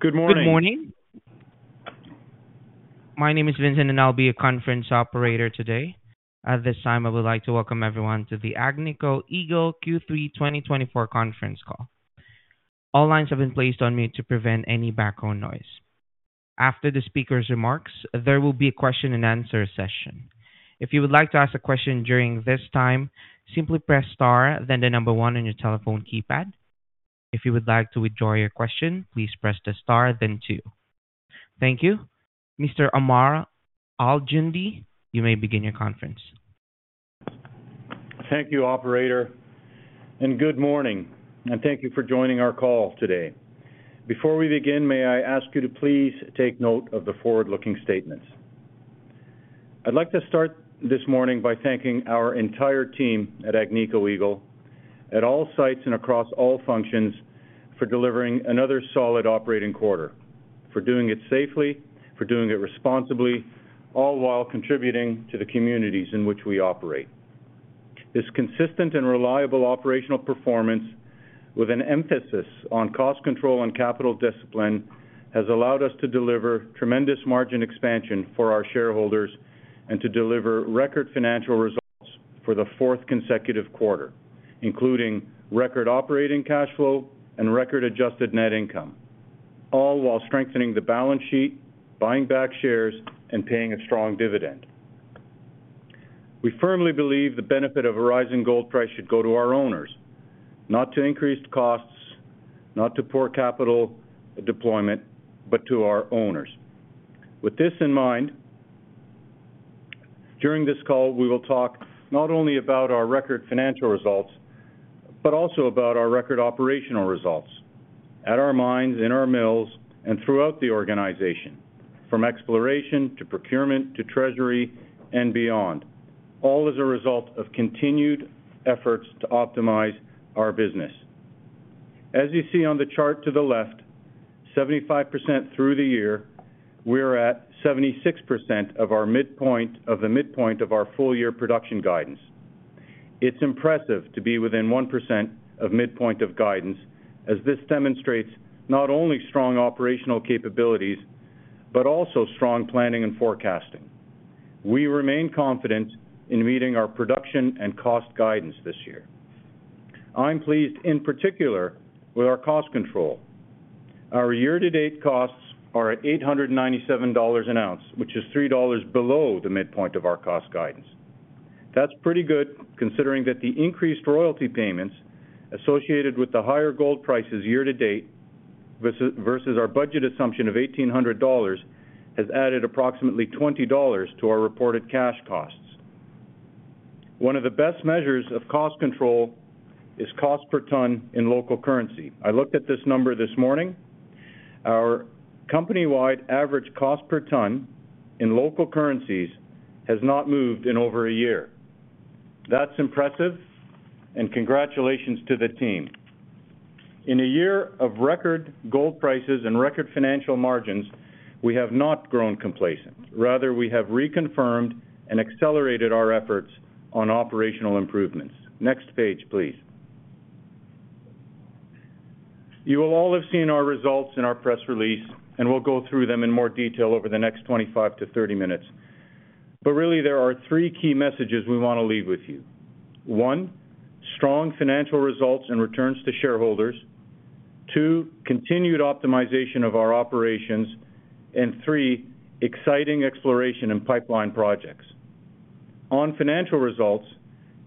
Good morning. Good morning. My name is Vincent, and I'll be your conference operator today. At this time, I would like to welcome everyone to the Agnico Eagle Q3 2024 Conference Call. All lines have been placed on mute to prevent any background noise. After the speaker's remarks, there will be a question-and-answer session. If you would like to ask a question during this time, simply press Star, then the number one on your telephone keypad. If you would like to withdraw your question, please press the Star, then two. Thank you. Mr. Ammar Al-Joundi, you may begin your conference. Thank you, Operator, and good morning, and thank you for joining our call today. Before we begin, may I ask you to please take note of the forward-looking statements? I'd like to start this morning by thanking our entire team at Agnico Eagle, at all sites and across all functions, for delivering another solid operating quarter, for doing it safely, for doing it responsibly, all while contributing to the communities in which we operate. This consistent and reliable operational performance, with an emphasis on cost control and capital discipline, has allowed us to deliver tremendous margin expansion for our shareholders and to deliver record financial results for the fourth consecutive quarter, including record operating cash flow and record adjusted net income, all while strengthening the balance sheet, buying back shares, and paying a strong dividend. We firmly believe the benefit of a rising gold price should go to our owners, not to increased costs, not to poor capital deployment, but to our owners. With this in mind, during this call, we will talk not only about our record financial results but also about our record operational results at our mines, in our mills, and throughout the organization, from exploration to procurement to treasury and beyond, all as a result of continued efforts to optimize our business. As you see on the chart to the left, 75% through the year, we're at 76%, of the midpoint of our full-year production guidance. It's impressive to be within 1%, of midpoint of guidance, as this demonstrates not only strong operational capabilities but also strong planning and forecasting. We remain confident in meeting our production and cost guidance this year. I'm pleased, in particular, with our cost control. Our year-to-date costs are at $897 an ounce, which is $3, below the midpoint of our cost guidance. That's pretty good, considering that the increased royalty payments associated with the higher gold prices year-to-date versus our budget assumption of $1,800 has added approximately $20 to our reported cash costs. One of the best measures of cost control is cost per ton in local currency. I looked at this number this morning. Our company-wide average cost per ton in local currencies has not moved in over a year. That's impressive, and congratulations to the team. In a year of record gold prices and record financial margins, we have not grown complacent. Rather, we have reconfirmed and accelerated our efforts on operational improvements. Next page, please. You will all have seen our results in our press release, and we'll go through them in more detail over the next 25 to 30 minutes. But really, there are three key messages we want to leave with you. One, strong financial results and returns to shareholders. Two, continued optimization of our operations. And three, exciting exploration and pipeline projects. On financial results,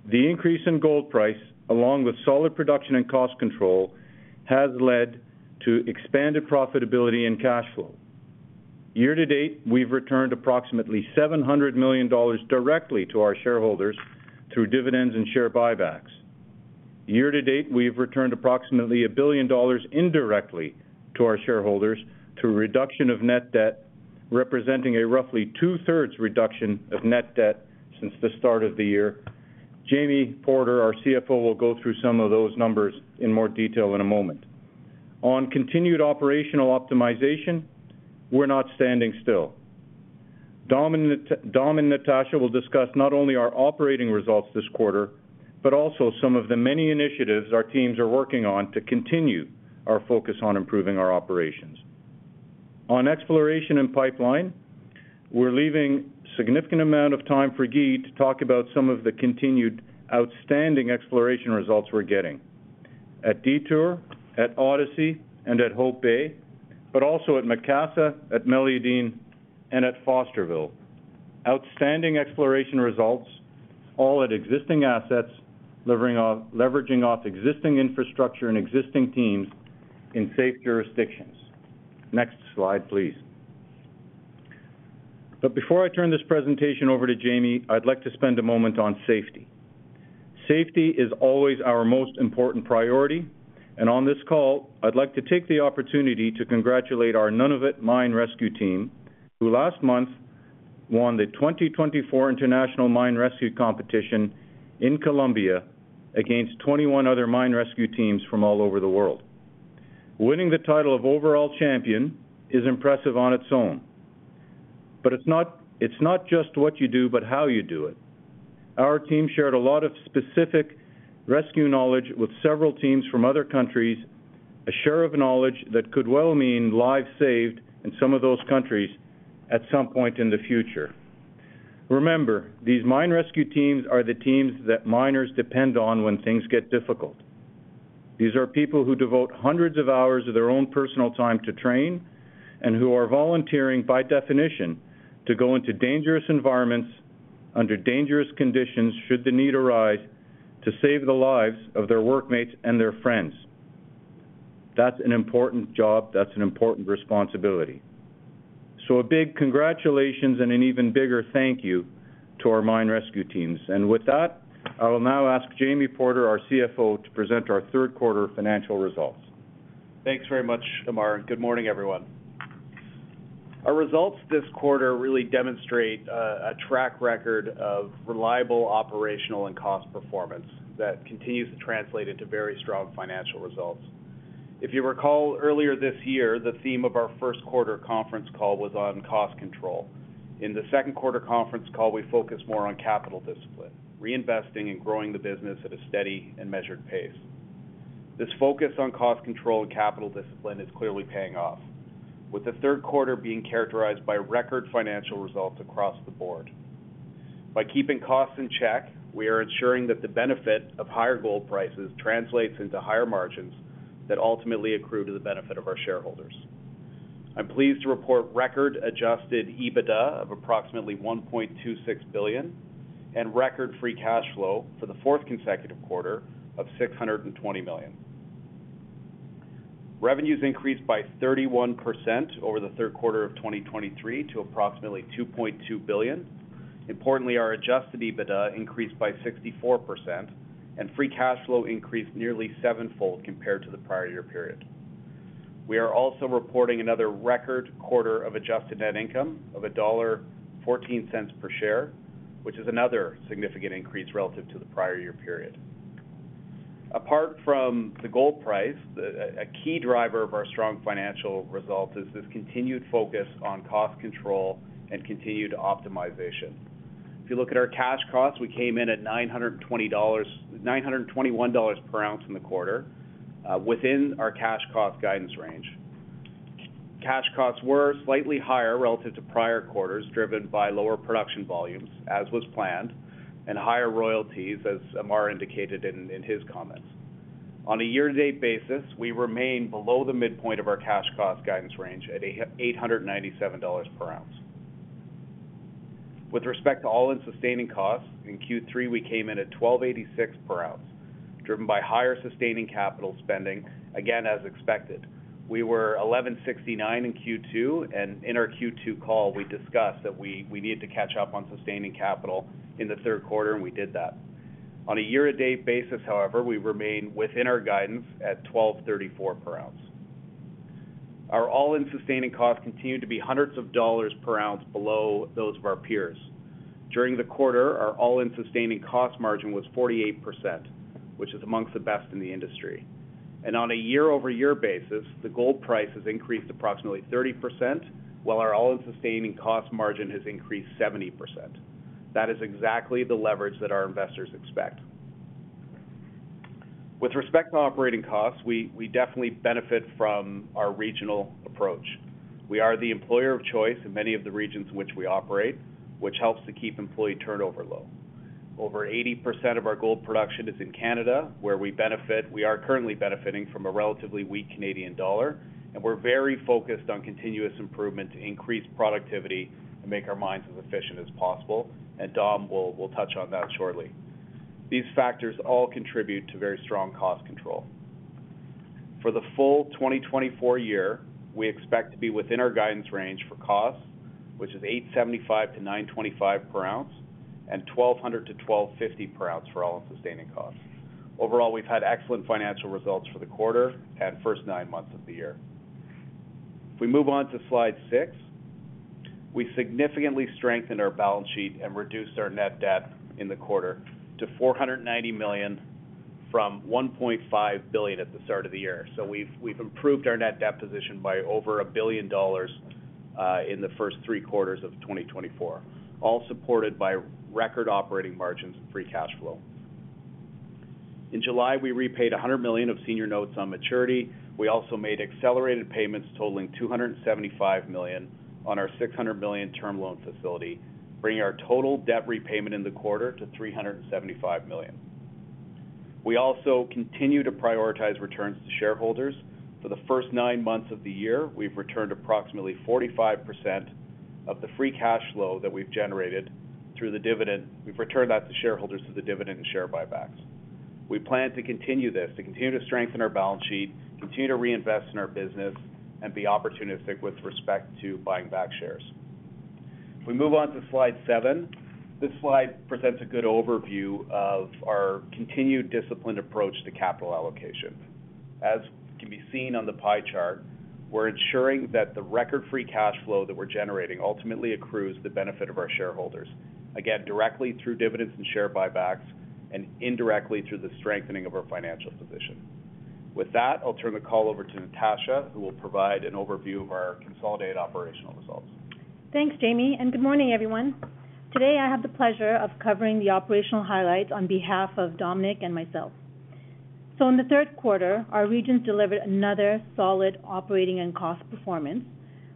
the increase in gold price, along with solid production and cost control, has led to expanded profitability and cash flow. Year-to-date, we've returned approximately $700 million directly to our shareholders through dividends and share buybacks. Year-to-date, we've returned approximately $1 billion indirectly to our shareholders through reduction of net debt, representing a roughly two-thirds reduction of net debt since the start of the year. Jamie Porter, our CFO, will go through some of those numbers in more detail in a moment. On continued operational optimization, we're not standing still. Dom and Natasha will discuss not only our operating results this quarter but also some of the many initiatives our teams are working on to continue our focus on improving our operations. On exploration and pipeline, we're leaving a significant amount of time for Guy to talk about some of the continued outstanding exploration results we're getting at Detour, at Odyssey, and at Hope Bay, but also at Macassa, at Meliadine, and at Fosterville. Outstanding exploration results, all at existing assets, leveraging off existing infrastructure and existing teams in safe jurisdictions. Next slide, please, but before I turn this presentation over to Jamie, I'd like to spend a moment on safety. Safety is always our most important priority. On this call, I'd like to take the opportunity to congratulate our Nunavut Mine Rescue Team, who last month won the 2024 International Mine Rescue Competition in Colombia against 21 other mine rescue teams from all over the world. Winning the title of overall champion is impressive on its own. It's not just what you do, but how you do it. Our team shared a lot of specific rescue knowledge with several teams from other countries, a share of knowledge that could well mean lives saved in some of those countries at some point in the future. Remember, these mine rescue teams are the teams that miners depend on when things get difficult. These are people who devote hundreds of hours of their own personal time to train and who are volunteering, by definition, to go into dangerous environments under dangerous conditions should the need arise to save the lives of their workmates and their friends. That's an important job. That's an important responsibility. So a big congratulations and an even bigger thank you to our mine rescue teams. And with that, I will now ask Jamie Porter, our CFO, to present our third quarter financial results. Thanks very much, Ammar. And good morning, everyone. Our results this quarter really demonstrate a track record of reliable operational and cost performance that continues to translate into very strong financial results. If you recall, earlier this year, the theme of our first quarter conference call was on cost control. In the second quarter conference call, we focused more on capital discipline, reinvesting, and growing the business at a steady and measured pace. This focus on cost control and capital discipline is clearly paying off, with the third quarter being characterized by record financial results across the board. By keeping costs in check, we are ensuring that the benefit of higher gold prices translates into higher margins that ultimately accrue to the benefit of our shareholders. I'm pleased to report record adjusted EBITDA of approximately $1.26 billion and record free cash flow for the fourth consecutive quarter of $620 million. Revenues increased by 31%, over the third quarter of 2023 to approximately $2.2 billion. Importantly, our adjusted EBITDA increased by 64%, and free cash flow increased nearly sevenfold compared to the prior year period. We are also reporting another record quarter of adjusted net income of $1.14 per share, which is another significant increase relative to the prior year period. Apart from the gold price, a key driver of our strong financial result is this continued focus on cost control and continued optimization. If you look at our cash costs, we came in at $921 per ounce in the quarter within our cash cost guidance range. Cash costs were slightly higher relative to prior quarters, driven by lower production volumes, as was planned, and higher royalties, as Ammar indicated in his comments. On a year-to-date basis, we remain below the midpoint of our cash cost guidance range at $897 per ounce. With respect to all-in sustaining costs, in Q3, we came in at $1,286 per ounce, driven by higher sustaining capital spending, again, as expected. We were $1,169 in Q2. And in our Q2 call, we discussed that we needed to catch up on sustaining capital in the third quarter, and we did that. On a year-to-date basis, however, we remain within our guidance at $1,234 per ounce. Our all-in sustaining costs continue to be hundreds of dollars per ounce below those of our peers. During the quarter, our all-in sustaining cost margin was 48%, which is among the best in the industry. And on a year-over-year basis, the gold price has increased approximately 30%, while our all-in sustaining cost margin has increased 70%. That is exactly the leverage that our investors expect. With respect to operating costs, we definitely benefit from our regional approach. We are the employer of choice in many of the regions in which we operate, which helps to keep employee turnover low. Over 80%, of our gold production is in Canada, where we are currently benefiting from a relatively weak Canadian dollar, and we're very focused on continuous improvement to increase productivity and make our mines as efficient as possible, and Dom will touch on that shortly. These factors all contribute to very strong cost control. For the full 2024 year, we expect to be within our guidance range for costs, which is $875-$925 per ounce and $1,200-$1,250 per ounce for all-in sustaining costs. Overall, we've had excellent financial results for the quarter and first nine months of the year. If we move on to slide six, we significantly strengthened our balance sheet and reduced our net debt in the quarter to $490 million from $1.5 billion at the start of the year. So we've improved our net debt position by over a billion dollars in the first three quarters of 2024, all supported by record operating margins and free cash flow. In July, we repaid $100 million of senior notes on maturity. We also made accelerated payments totaling $275 million on our $600 million term loan facility, bringing our total debt repayment in the quarter to $375 million. We also continue to prioritize returns to shareholders. For the first nine months of the year, we've returned approximately 45%, of the free cash flow that we've generated through the dividend. We've returned that to shareholders through the dividend and share buybacks. We plan to continue this, to continue to strengthen our balance sheet, continue to reinvest in our business, and be opportunistic with respect to buying back shares. If we move on to slide seven, this slide presents a good overview of our continued disciplined approach to capital allocation. As can be seen on the pie chart, we're ensuring that the record free cash flow that we're generating ultimately accrues to the benefit of our shareholders, again, directly through dividends and share buybacks and indirectly through the strengthening of our financial position. With that, I'll turn the call over to Natasha, who will provide an overview of our consolidated operational results. Thanks, Jamie. And good morning, everyone. Today, I have the pleasure of covering the operational highlights on behalf of Dominique and myself. So in the third quarter, our regions delivered another solid operating and cost performance,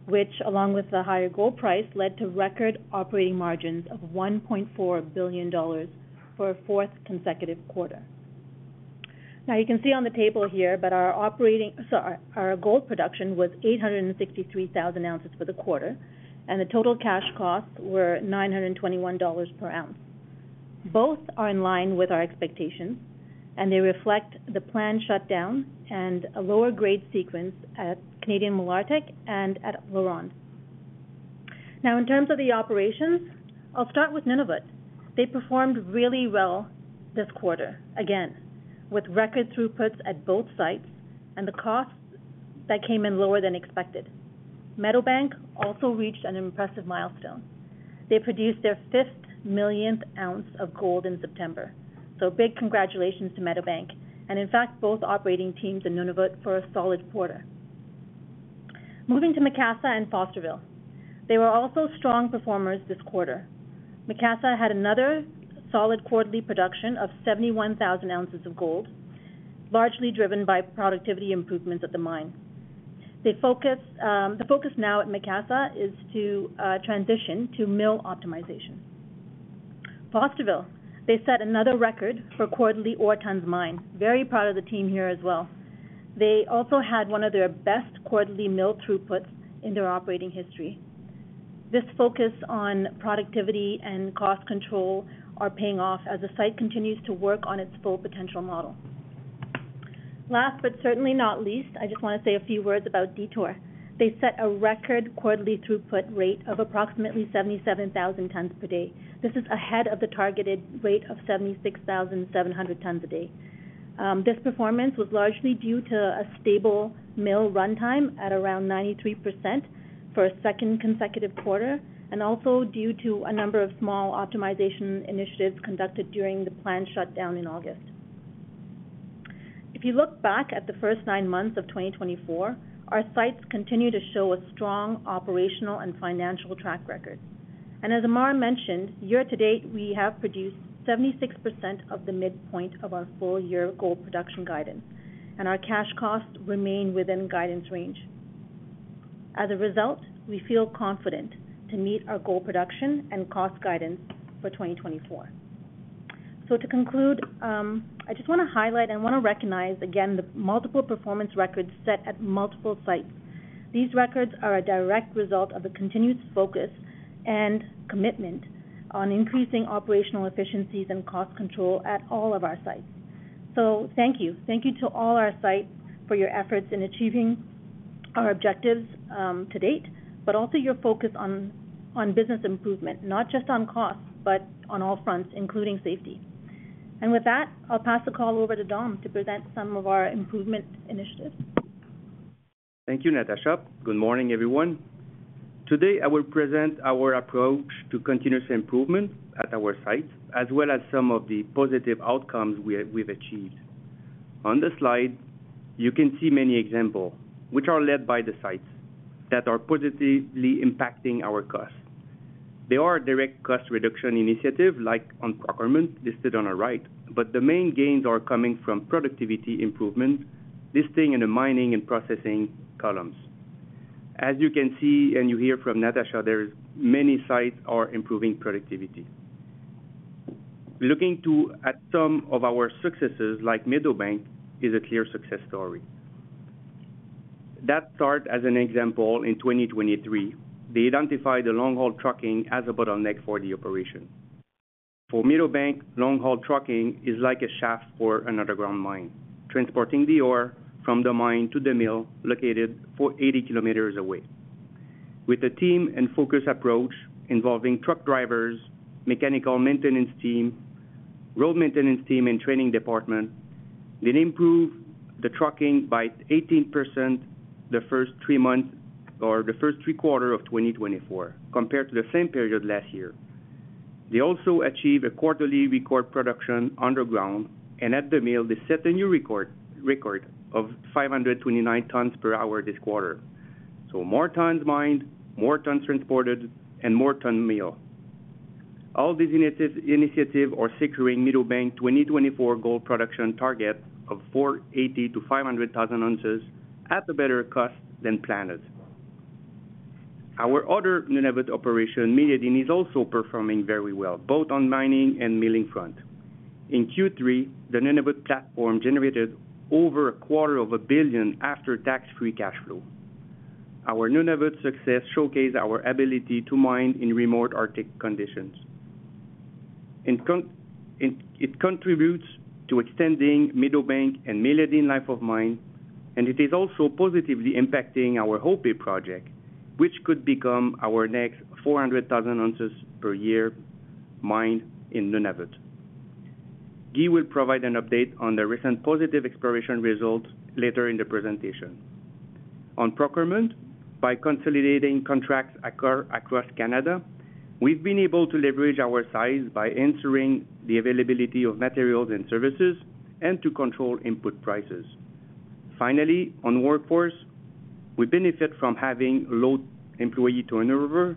which, along with the higher gold price, led to record operating margins of $1.4 billion for a fourth consecutive quarter. Now, you can see on the table here, but our gold production was 863,000 ounces for the quarter, and the total cash costs were $921 per ounce. Both are in line with our expectations, and they reflect the planned shutdown and a lower-grade sequence at Canadian Malartic and at LaRonde. Now, in terms of the operations, I'll start with Nunavut. They performed really well this quarter, again, with record throughputs at both sites and the costs that came in lower than expected. Meadowbank also reached an impressive milestone. They produced their fifth millionth ounce of gold in September. So big congratulations to Meadowbank and, in fact, both operating teams and Nunavut for a solid quarter. Moving to Macassa and Fosterville, they were also strong performers this quarter. Macassa had another solid quarterly production of 71,000 ounces of gold, largely driven by productivity improvements at the mine. The focus now at Macassa is to transition to mill optimization. Fosterville, they set another record for quarterly ore tonnes mined. Very proud of the team here as well. They also had one of their best quarterly mill throughputs in their operating history. This focus on productivity and cost control is paying off as the site continues to work on its Full Potential Model. Last but certainly not least, I just want to say a few words about Detour. They set a record quarterly throughput rate of approximately 77,000 tons per day. This is ahead of the targeted rate of 76,700 tons a day. This performance was largely due to a stable mill runtime at around 93%, for a second consecutive quarter and also due to a number of small optimization initiatives conducted during the planned shutdown in August. If you look back at the first nine months of 2024, our sites continue to show a strong operational and financial track record, and as Ammar mentioned, year-to-date, we have produced 76%, of the midpoint of our full-year gold production guidance, and our cash costs remain within guidance range. As a result, we feel confident to meet our gold production and cost guidance for 2024, so to conclude, I just want to highlight and want to recognize, again, the multiple performance records set at multiple sites. These records are a direct result of the continued focus and commitment on increasing operational efficiencies and cost control at all of our sites. So thank you. Thank you to all our sites for your efforts in achieving our objectives to date, but also your focus on business improvement, not just on costs, but on all fronts, including safety. And with that, I'll pass the call over to Dom to present some of our improvement initiatives. Thank you, Natasha. Good morning, everyone. Today, I will present our approach to continuous improvement at our sites, as well as some of the positive outcomes we've achieved. On the slide, you can see many examples, which are led by the sites, that are positively impacting our costs. There are direct cost reduction initiatives like on procurement, listed on our right, but the main gains are coming from productivity improvements, listing in the mining and processing columns. As you can see and you hear from Natasha, there are many sites improving productivity. Looking at some of our successes, like Meadowbank, is a clear success story. That starts as an example in 2023. They identified the long-haul trucking as a bottleneck for the operation. For Meadowbank, long-haul trucking is like a shaft for an underground mine, transporting the ore from the mine to the mill located 80 km away. With a team and focus approach involving truck drivers, mechanical maintenance team, road maintenance team, and training department, they improved the trucking by 18%, the first three months or the first three quarters of 2024 compared to the same period last year. They also achieved a quarterly record production underground, and at the mill, they set a new record of 529 tons per hour this quarter. More tons mined, more tons transported, and more tons milled. All these initiatives are securing Meadowbank's 2024 gold production target of 480-500,000 ounces at a better cost than planned. Our other Nunavut operation, Meliadine, is also performing very well, both on mining and milling fronts. In Q3, the Nunavut platform generated over $250 million after-tax free cash flow. Our Nunavut success showcased our ability to mine in remote Arctic conditions. It contributes to extending Meadowbank and Meliadine life of mine, and it is also positively impacting our Hope Bay project, which could become our next 400,000 ounces per year mined in Nunavut. Guy will provide an update on the recent positive exploration results later in the presentation. On procurement, by consolidating contracts across Canada, we've been able to leverage our size by ensuring the availability of materials and services and to control input prices. Finally, on workforce, we benefit from having low employee turnover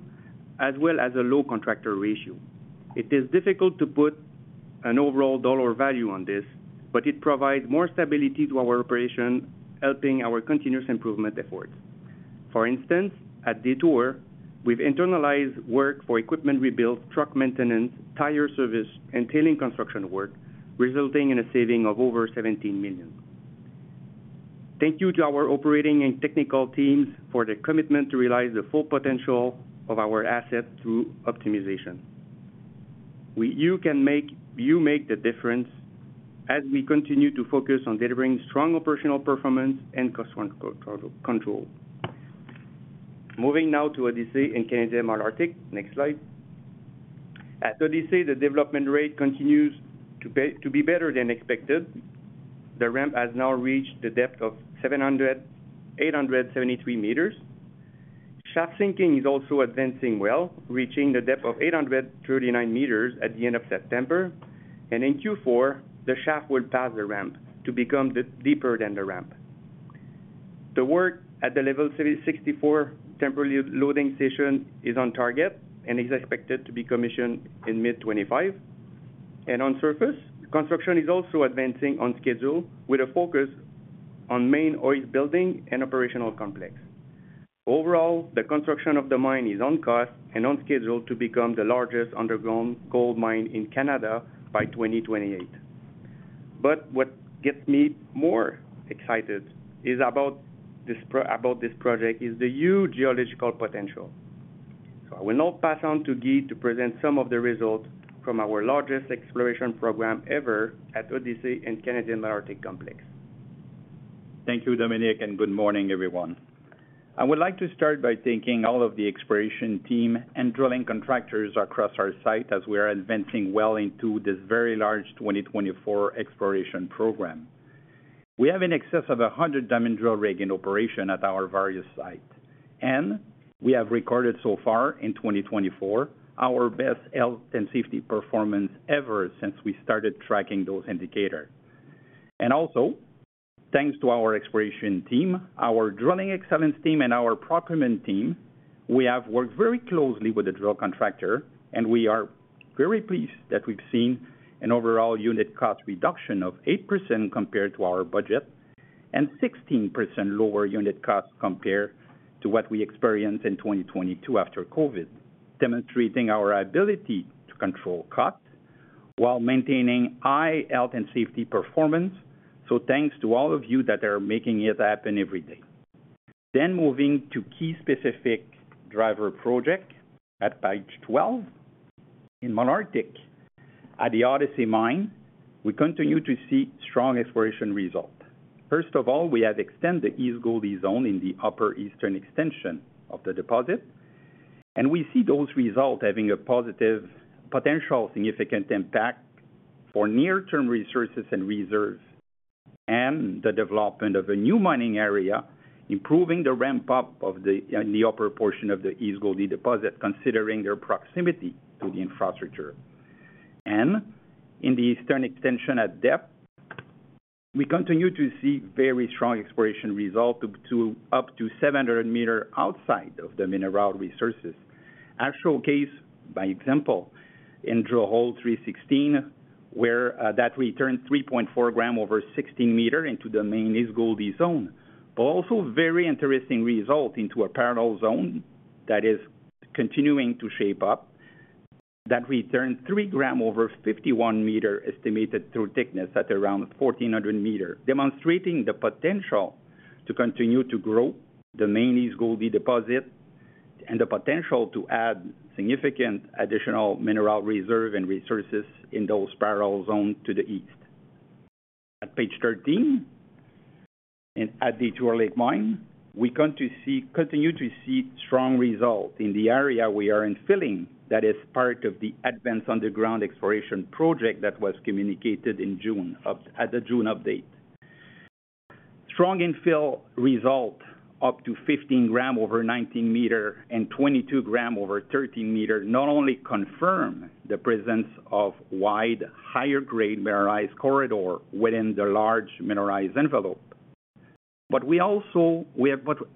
as well as a low contractor ratio. It is difficult to put an overall dollar value on this, but it provides more stability to our operation, helping our continuous improvement efforts. For instance, at Detour, we've internalized work for equipment rebuilds, truck maintenance, tire service, and tailings construction work, resulting in savings of over $17 million. Thank you to our operating and technical teams for their commitment to realize the full potential of our assets through optimization. You can make the difference as we continue to focus on delivering strong operational performance and cost control. Moving now to Odyssey and Canadian Malartic. Next slide. At Odyssey, the development rate continues to be better than expected. The ramp has now reached the depth of 873 meters. Shaft sinking is also advancing well, reaching the depth of 839 meters at the end of September, and in Q4, the shaft will pass the ramp to become deeper than the ramp. The work at the Level 64 temporary loading station is on target and is expected to be commissioned in mid-2025, and on surface, construction is also advancing on schedule with a focus on main boiler building and operational complex. Overall, the construction of the mine is on cost and on schedule to become the largest underground gold mine in Canada by 2028. But what gets me more excited about this project is the huge geological potential. I will now pass it on to Guy to present some of the results from our largest exploration program ever at Odyssey and Canadian Malartic complex. Thank you, Dominique, and good morning, everyone. I would like to start by thanking all of the exploration team and drilling contractors across our sites as we are advancing well into this very large 2024 exploration program. We have in excess of 100 diamond drill rigs in operation at our various sites. We have recorded so far in 2024 our best health and safety performance ever since we started tracking those indicators. Also, thanks to our exploration team, our drilling excellence team, and our procurement team, we have worked very closely with the drill contractor, and we are very pleased that we've seen an overall unit cost reduction of 8%, compared to our budget and 16% lower unit cost compared to what we experienced in 2022 after COVID, demonstrating our ability to control cost while maintaining high health and safety performance. Thanks to all of you that are making it happen every day. Moving to key specific driver projects at page 12. In Malartic, at the Odyssey Mine, we continue to see strong exploration results. First of all, we have extended the East Goldie zone in the upper eastern extension of the deposit, and we see those results having a positive potential significant impact for near-term resources and reserves and the development of a new mining area, improving the ramp-up in the upper portion of the East Goldie deposit, considering their proximity to the infrastructure. In the eastern extension at depth, we continue to see very strong exploration results up to 700 meters outside of the mineral resources, as showcased by example in drill hole 316, where that returned 3.4 grams over 16 meters into the main East Goldie zone, but also very interesting result into a parallel zone that is continuing to shape up that returned 3 grams over 51 meters estimated through thickness at around 1,400 meters, demonstrating the potential to continue to grow the main East Goldie deposit and the potential to add significant additional mineral reserve and resources in those parallel zones to the east. At page 13, at Detour Lake Mine, we continue to see strong results in the area we are infilling that is part of the advanced underground exploration project that was communicated at the June update. Strong infill result up to 15 grams over 19 meters and 22 grams over 13 meters not only confirm the presence of wide, higher-grade mineralized corridor within the large mineralized envelope, but we also.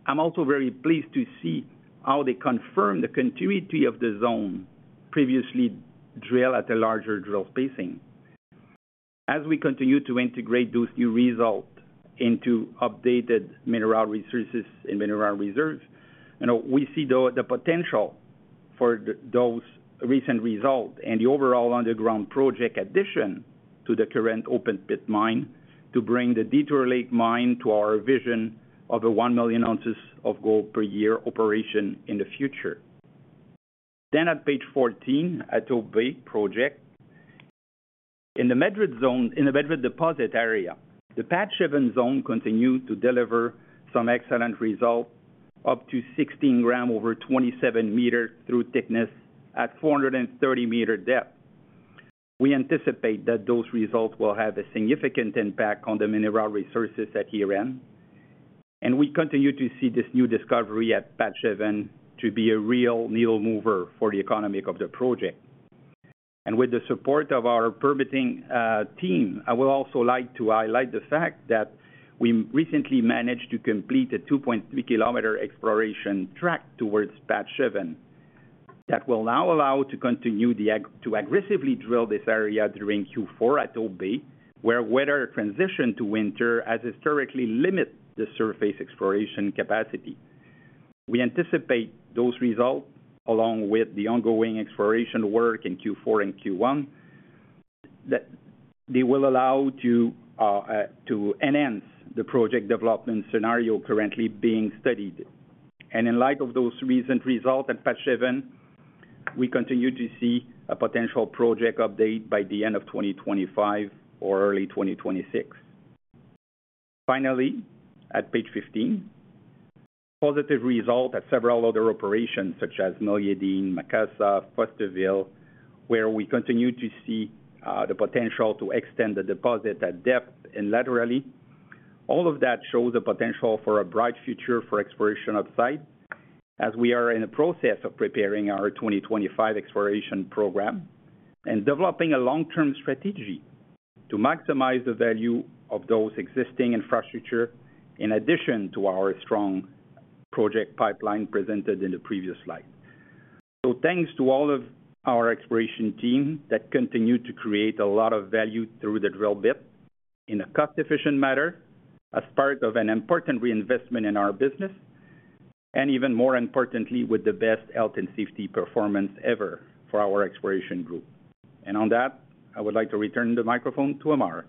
I'm also very pleased to see how they confirm the continuity of the zone previously drilled at a larger drill spacing. As we continue to integrate those new results into updated mineral resources and mineral reserves, we see the potential for those recent results and the overall underground project addition to the current open pit mine to bring the Detour Lake Mine to our vision of a 1 million ounces of gold per year operation in the future. At page 14, at the Hope Bay project, in the Madrid zone, in the Madrid deposit area, the Patch 7 zone continued to deliver some excellent results up to 16 grams over 27 meters true thickness at 430 meters depth. We anticipate that those results will have a significant impact on the mineral resources at year-end. We continue to see this new discovery at Patch 7 to be a real needle mover for the economy of the project. With the support of our permitting team, I would also like to highlight the fact that we recently managed to complete a 2.3-kilometer exploration track towards Patch 7 that will now allow us to continue to aggressively drill this area during Q4 at Hope Bay, where weather transitioned to winter has historically limited the surface exploration capacity. We anticipate those results, along with the ongoing exploration work in Q4 and Q1, that they will allow us to enhance the project development scenario currently being studied. In light of those recent results at Patch 7, we continue to see a potential project update by the end of 2025 or early 2026. Finally, at page 15, positive results at several other operations, such as Meliadine, Macassa, Fosterville, where we continue to see the potential to extend the deposit at depth and laterally. All of that shows a potential for a bright future for exploration of sites as we are in the process of preparing our 2025 exploration program and developing a long-term strategy to maximize the value of those existing infrastructure in addition to our strong project pipeline presented in the previous slide. Thanks to all of our exploration team that continue to create a lot of value through the drill bit in a cost-efficient manner as part of an important reinvestment in our business, and even more importantly, with the best health and safety performance ever for our exploration group. On that, I would like to return the microphone to Ammar.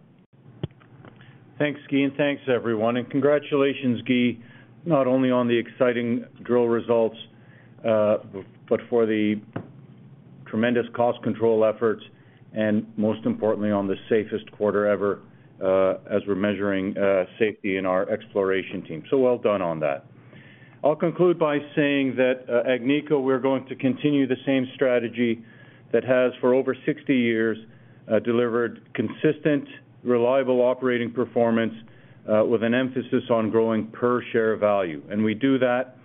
Thanks, Guy, and thanks, everyone, and congratulations, Guy, not only on the exciting drill results, but for the tremendous cost control efforts, and most importantly, on the safest quarter ever as we're measuring safety in our exploration team, so well done on that. I'll conclude by saying that, at Agnico, we're going to continue the same strategy that has for over 60 years delivered consistent, reliable operating performance with an emphasis on growing per share value, and we do that,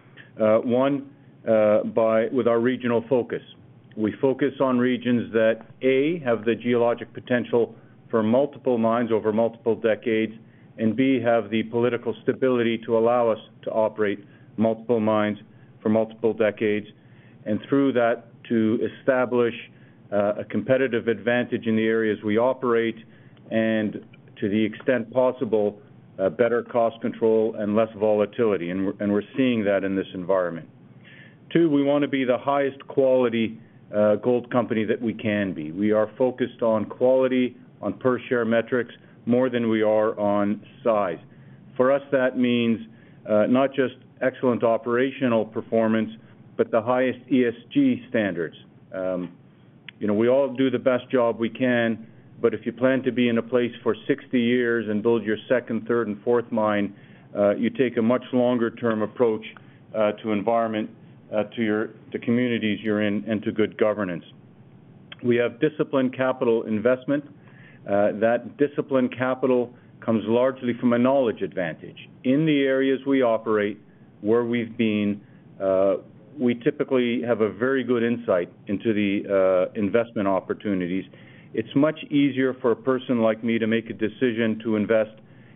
one, with our regional focus. We focus on regions that, A, have the geologic potential for multiple mines over multiple decades, and, B, have the political stability to allow us to operate multiple mines for multiple decades, and through that, to establish a competitive advantage in the areas we operate and, to the extent possible, better cost control and less volatility, and we're seeing that in this environment. Two, we want to be the highest quality gold company that we can be. We are focused on quality, on per share metrics, more than we are on size. For us, that means not just excellent operational performance, but the highest ESG standards. We all do the best job we can, but if you plan to be in a place for 60 years and build your second, third, and fourth mine, you take a much longer-term approach to environment, to the communities you're in, and to good governance. We have disciplined capital investment. That disciplined capital comes largely from a knowledge advantage. In the areas we operate, where we've been, we typically have a very good insight into the investment opportunities. It's much easier for a person like me to make a decision to invest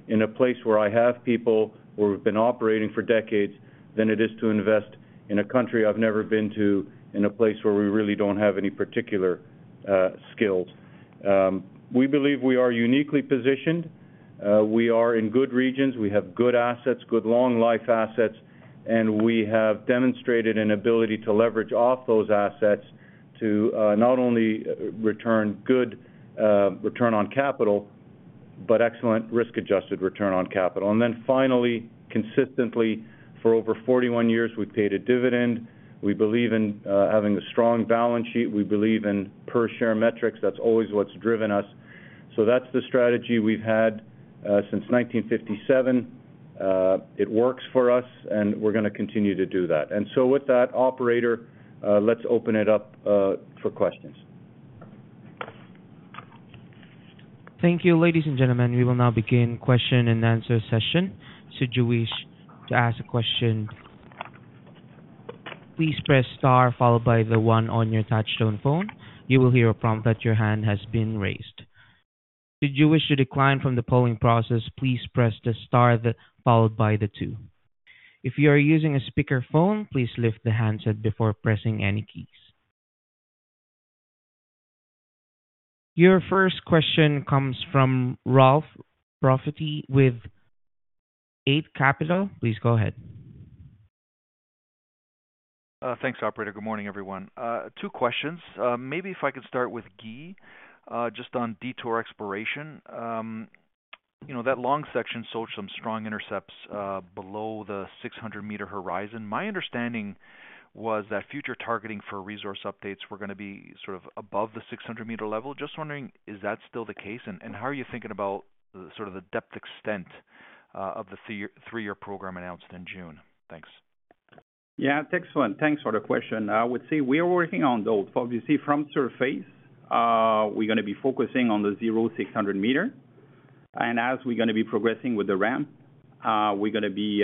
in a place where I have people, where we've been operating for decades, than it is to invest in a country I've never been to, in a place where we really don't have any particular skills. We believe we are uniquely positioned. We are in good regions. We have good assets, good long-life assets, and we have demonstrated an ability to leverage off those assets to not only return good return on capital, but excellent risk-adjusted return on capital. And then finally, consistently, for over 41 years, we've paid a dividend. We believe in having a strong balance sheet. We believe in per share metrics. That's always what's driven us. So that's the strategy we've had since 1957. It works for us, and we're going to continue to do that. And so with that, operator, let's open it up for questions. Thank you. Ladies and gentlemen, we will now begin question and answer session. Should you wish to ask a question, please press star followed by the one on your touch-tone phone. You will hear a prompt that your hand has been raised. Should you wish to decline from the polling process, please press the star followed by the two. If you are using a speakerphone, please lift the handset before pressing any keys. Your first question comes from Ralph Profiti with Eight Capital. Please go ahead. Thanks, operator. Good morning, everyone. Two questions. Maybe if I could start with Guy, just on Detour exploration. That long section showed some strong intercepts below the 600-meter horizon. My understanding was that future targeting for resource updates were going to be sort of above the 600-meter level. Just wondering, is that still the case? And how are you thinking about sort of the depth extent of the three-year program announced in June? Thanks. Yeah, excellent. Thanks for the question. I would say we are working on those. Obviously, from surface, we're going to be focusing on the 0-600 meters. And as we're going to be progressing with the ramp, we're going to be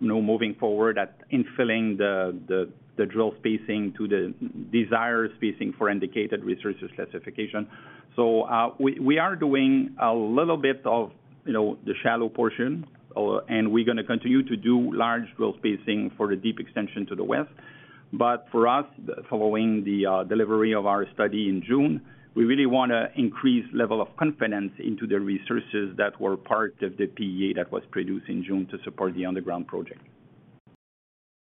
moving forward at infilling the drill spacing to the desired spacing for indicated resource classification. So we are doing a little bit of the shallow portion, and we're going to continue to do large drill spacing for the deep extension to the west. But for us, following the delivery of our study in June, we really want to increase the level of confidence into the resources that were part of the PEA that was produced in June to support the underground project.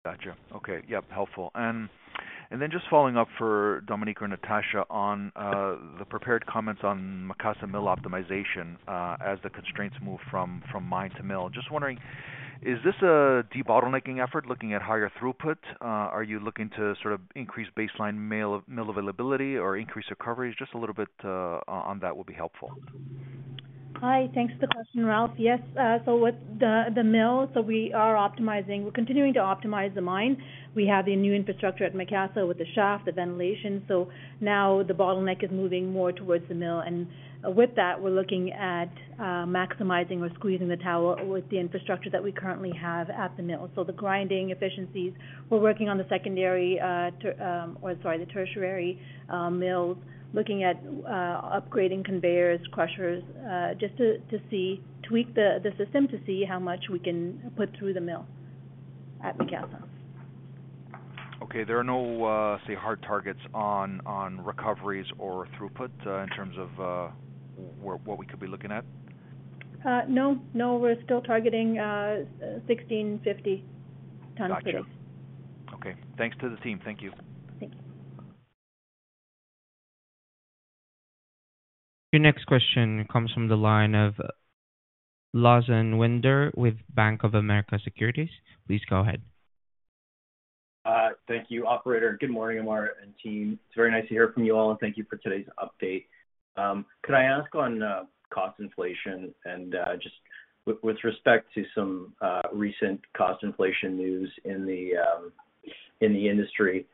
Gotcha. Okay. Yep, helpful. And then just following up for Dominique or Natasha on the prepared comments on Macassa mill optimization as the constraints move from mine to mill. Just wondering, is this a de-bottlenecking effort looking at higher throughput? Are you looking to sort of increase baseline mill availability or increase recovery? Just a little bit on that would be helpful. Hi. Thanks for the question, Ralph. Yes, so with the mill, so we are optimizing. We're continuing to optimize the mine. We have the new infrastructure at Macassa with the shaft, the ventilation. So now the bottleneck is moving more towards the mill, and with that, we're looking at maximizing or squeezing the towel with the infrastructure that we currently have at the mill. So the grinding efficiencies, we're working on the secondary or, sorry, the tertiary mills, looking at upgrading conveyors, crushers, just to tweak the system to see how much we can put through the mill at Macassa. Okay. There are no, say, hard targets on recoveries or throughput in terms of what we could be looking at? No. No, we're still targeting 1,650 tons. Gotcha. Okay. Thanks to the team. Thank you. Thank you. Your next question comes from the line of Lawson Winder with Bank of America Securities. Please go ahead. Thank you, operator. Good morning, Ammar and team. It's very nice to hear from you all, and thank you for today's update. Could I ask on cost inflation and just with respect to some recent cost inflation news in the industry,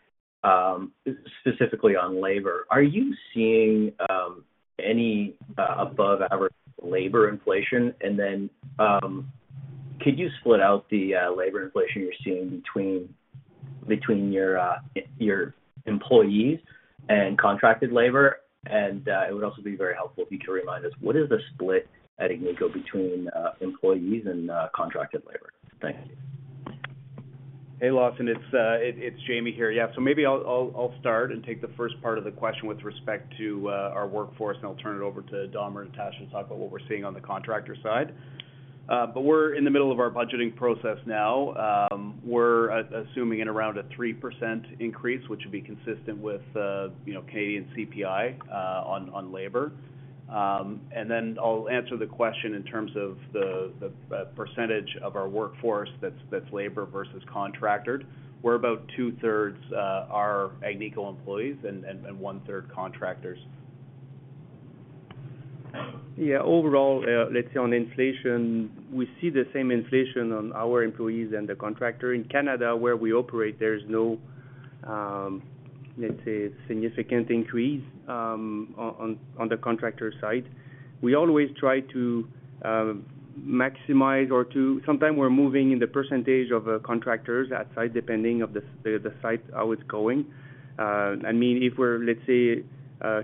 specifically on labor, are you seeing any above-average labor inflation? And then could you split out the labor inflation you're seeing between your employees and contracted labor? And it would also be very helpful if you could remind us, what is the split at Agnico between employees and contracted labor? Thank you. Hey, Lawson. It's Jamie here. Yeah. So maybe I'll start and take the first part of the question with respect to our workforce, and I'll turn it over to Dom or Natasha to talk about what we're seeing on the contractor side. But we're in the middle of our budgeting process now. We're assuming around a 3% increase, which would be consistent with Canadian CPI on labor. And then I'll answer the question in terms of the percentage of our workforce that's labor versus contracted. We're about two-thirds our Agnico employees and one-third contractors. Yeah. Overall, let's say on inflation, we see the same inflation on our employees and the contractor. In Canada, where we operate, there's no, let's say, significant increase on the contractor side. We always try to maximize or to sometimes we're moving in the percentage of contractors at site, depending on the site how it's going. I mean, if we're, let's say,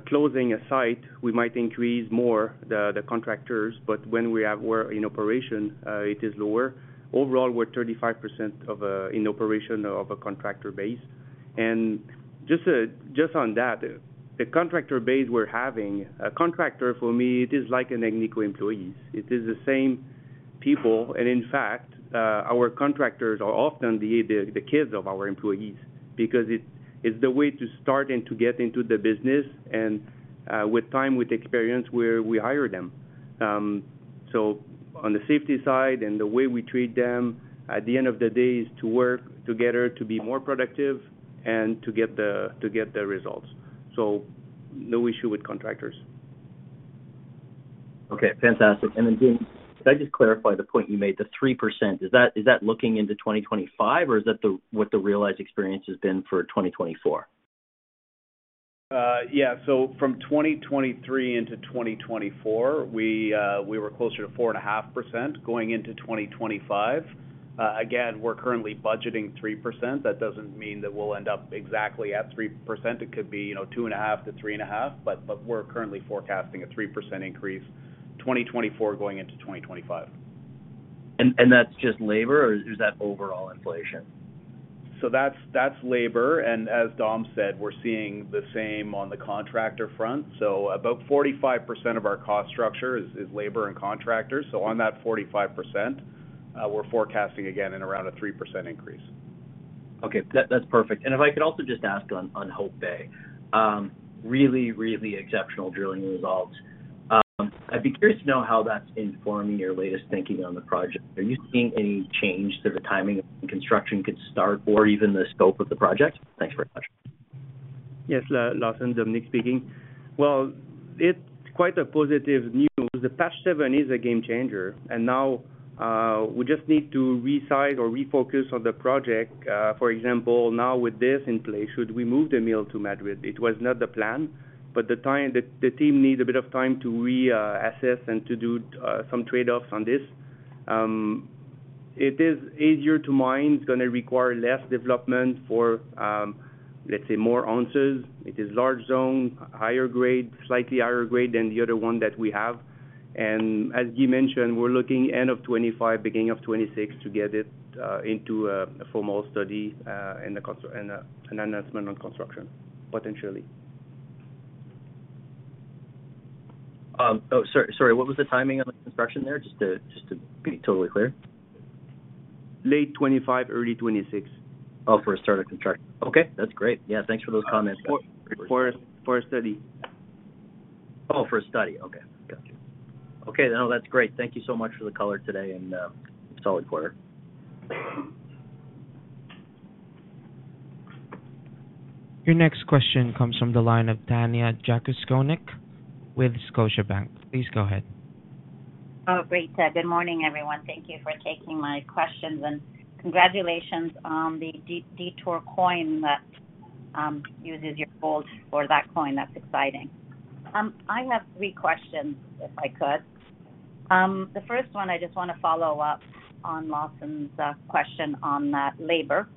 closing a site, we might increase more the contractors, but when we are in operation, it is lower. Overall, we're 35% in operation of a contractor base. Just on that, the contractor base we're having, a contractor for me, it is like an Agnico employee. It is the same people. In fact, our contractors are often the kids of our employees because it's the way to start and to get into the business. With time, with experience, we hire them. So on the safety side and the way we treat them, at the end of the day, it's to work together to be more productive and to get the results. So no issue with contractors. Okay. Fantastic. And then Jamie, could I just clarify the point you made? The 3%, is that looking into 2025, or is that what the realized experience has been for 2024? Yeah, so from 2023 into 2024, we were closer to 4.5% going into 2025. Again, we're currently budgeting 3%. That doesn't mean that we'll end up exactly at 3%. It could be 2.5%-3.5%, but we're currently forecasting a 3% increase 2024 going into 2025. That's just labor, or is that overall inflation? So that's labor. And as Dom said, we're seeing the same on the contractor front. So about 45% of our cost structure is labor and contractors. So on that 45%, we're forecasting, again, in around a 3% increase. Okay. That's perfect. And if I could also just ask on Hope Bay, really, really exceptional drilling results. I'd be curious to know how that's informing your latest thinking on the project. Are you seeing any change to the timing of when construction could start or even the scope of the project? Thanks very much. Yes, Lawson, Dominique speaking. Well, it's quite positive news. The Patch 7 is a game changer. And now we just need to resize or refocus on the project. For example, now with this in place, should we move the mill to Madrid? It was not the plan, but the team needs a bit of time to reassess and to do some trade-offs on this. It is easier to mine. It's going to require less development for, let's say, more ounces. It is a large zone, higher grade, slightly higher grade than the other one that we have. And as Guy mentioned, we're looking end of 2025, beginning of 2026 to get it into a formal study and an announcement on construction, potentially. Oh, sorry. What was the timing on the construction there? Just to be totally clear. Late 2025, early 2026. Oh, for a start of construction. Okay. That's great. Yeah. Thanks for those comments. For a study. Oh, for a study. Okay. Gotcha. Okay. No, that's great. Thank you so much for the color today and solid quarter. Your next question comes from the line of Tanya Jakusconek with Scotiabank. Please go ahead. Oh, great. Good morning, everyone. Thank you for taking my questions. And congratulations on the Detour coin that uses your gold for that coin. That's exciting. I have three questions, if I could. The first one, I just want to follow up on Lawson's question on labor.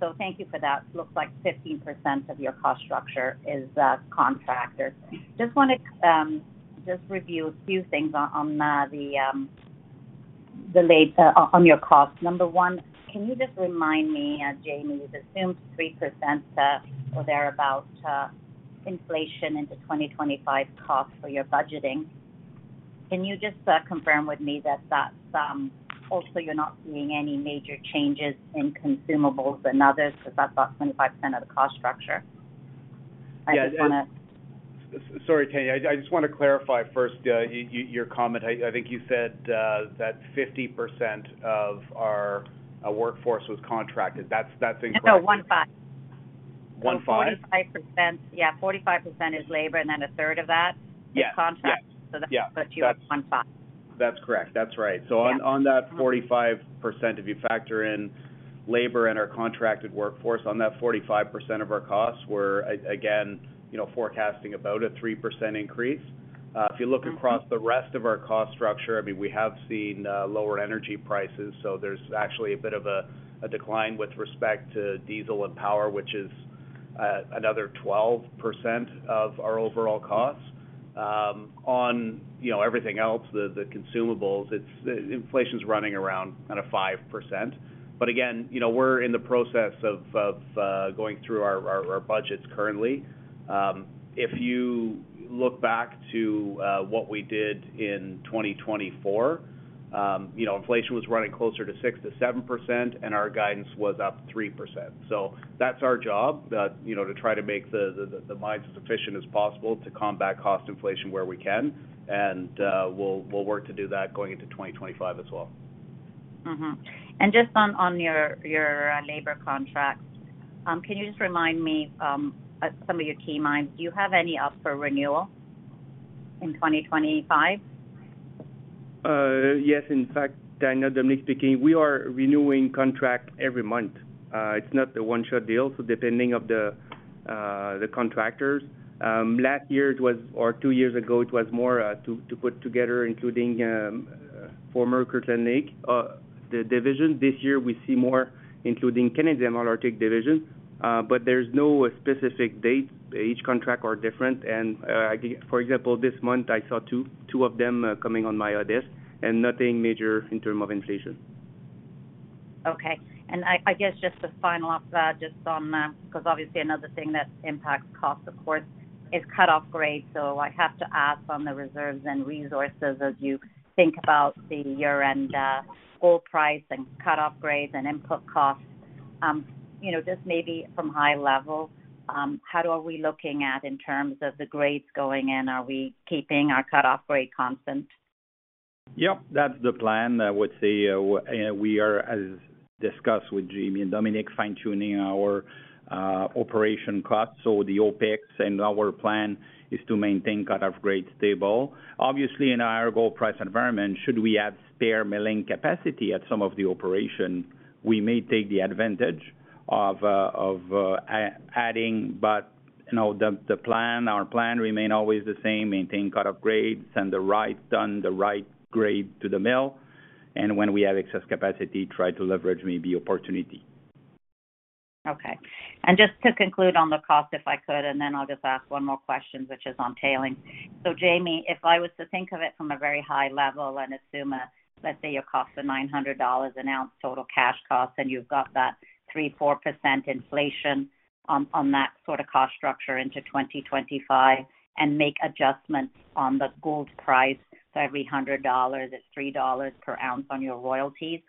So thank you for that. Looks like 15% of your cost structure is contractors. Just want to review a few things on your costs. Number one, can you just remind me, Jamie, you've assumed 3% or thereabout inflation into 2025 costs for your budgeting. Can you just confirm with me that that's also you're not seeing any major changes in consumables and others? Is that about 25% of the cost structure? Yeah. Sorry, Tania. I just want to clarify first your comment. I think you said that 50%, of our workforce was contracted. That's incorrect. No, 15. 15? Yeah. 45% is labor, and then a third of that is contract. So that puts you at 15. That's correct. That's right. So on that 45%, if you factor in labor and our contracted workforce, on that 45%, of our costs, we're, again, forecasting about a 3% increase. If you look across the rest of our cost structure, I mean, we have seen lower energy prices. So there's actually a bit of a decline with respect to diesel and power, which is another 12%, of our overall costs. On everything else, the consumables, inflation's running around kind of 5%. But again, we're in the process of going through our budgets currently. If you look back to what we did in 2024, inflation was running closer to 6%-7%, and our guidance was up 3%. So that's our job, to try to make the mines as efficient as possible to combat cost inflation where we can. And we'll work to do that going into 2025 as well. Just on your labor contracts, can you just remind me some of your key mines? Do you have any up for renewal in 2025? Yes. In fact, Tania, Dominique speaking, we are renewing contracts every month. It's not the one-shot deal. So depending on the contractors, last year or two years ago, it was more to put together, including former Detour Lake division. This year, we see more, including Canadian Malartic division. But there's no specific date. Each contract is different. And for example, this month, I saw two of them coming on my desk, and nothing major in terms of inflation. Okay. And I guess just to finalize that, just on because obviously another thing that impacts cost, of course, is cut-off grade. So I have to ask on the reserves and resources as you think about the year-end gold price and cut-off grade and input costs. Just maybe from high level, how are we looking at in terms of the grades going in? Are we keeping our cut-off grade constant? Yep. That's the plan. I would say we are, as discussed with Jamie and Dominique, fine-tuning our operating costs. So the OPEX and our plan is to maintain cut-off grade stable. Obviously, in our gold price environment, should we have spare milling capacity at some of the operations, we may take advantage of adding. But the plan, our plan remains always the same: maintain cut-off grades, send the right ore, the right grade to the mill, and when we have excess capacity, try to leverage the opportunity. Okay. And just to conclude on the cost, if I could, and then I'll just ask one more question, which is on tailings. So Jamie, if I was to think of it from a very high level and assume, let's say, your costs are $900 an ounce total cash costs, and you've got that 3-4% inflation on that sort of cost structure into 2025, and make adjustments on the gold price to every $100, it's $3 per ounce on your royalties,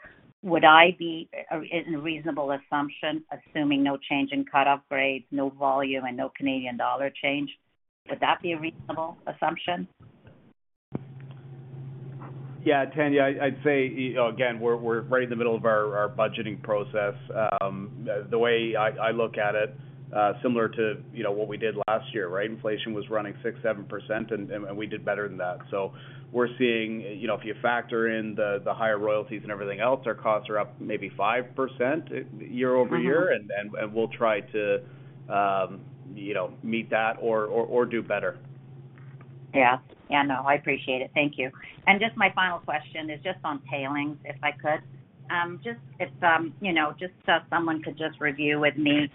would I be in a reasonable assumption, assuming no change in cut-off grades, no volume, and no Canadian dollar change? Would that be a reasonable assumption? Yeah. Tania, I'd say, again, we're right in the middle of our budgeting process. The way I look at it, similar to what we did last year, right? Inflation was running 6-7%, and we did better than that. So we're seeing if you factor in the higher royalties and everything else, our costs are up maybe 5% year over year. And we'll try to meet that or do better. Yeah. Yeah. No, I appreciate it. Thank you. And just my final question is just on tailings, if I could. Just if someone could just review with me,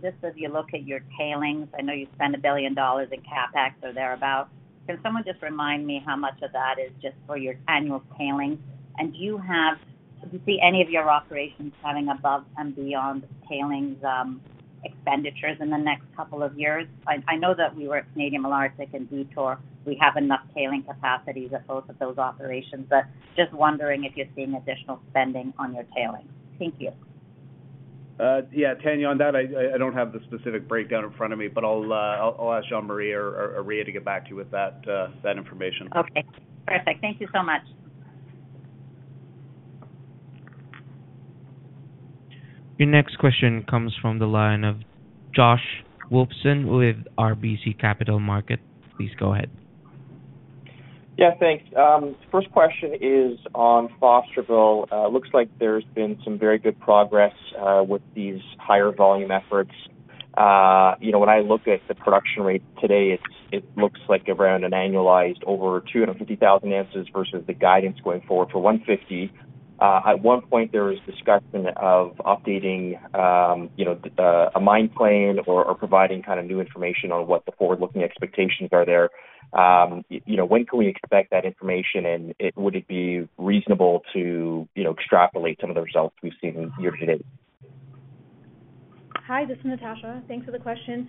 just as you look at your tailings, I know you spend $1 billion in CapEx or thereabouts. Can someone just remind me how much of that is just for your annual tailings? And do you see any of your operations coming above and beyond tailings expenditures in the next couple of years? I know that we were at Canadian Malartic and Detour. We have enough tailings capacities at both of those operations. But just wondering if you are seeing additional spending on your tailings. Thank you. Yeah. Tania, on that, I don't have the specific breakdown in front of me, but I'll ask Jean-Marie or Rhea to get back to you with that information. Okay. Perfect. Thank you so much. Your next question comes from the line of Josh Wolfson with RBC Capital Markets. Please go ahead. Yeah. Thanks. First question is on Fosterville. Looks like there's been some very good progress with these higher volume efforts. When I look at the production rate today, it looks like around an annualized over 250,000 ounces versus the guidance going forward for 150. At one point, there was discussion of updating a mine plan or providing kind of new information on what the forward-looking expectations are there. When can we expect that information? And would it be reasonable to extrapolate some of the results we've seen year to date? Hi. This is Natasha. Thanks for the question.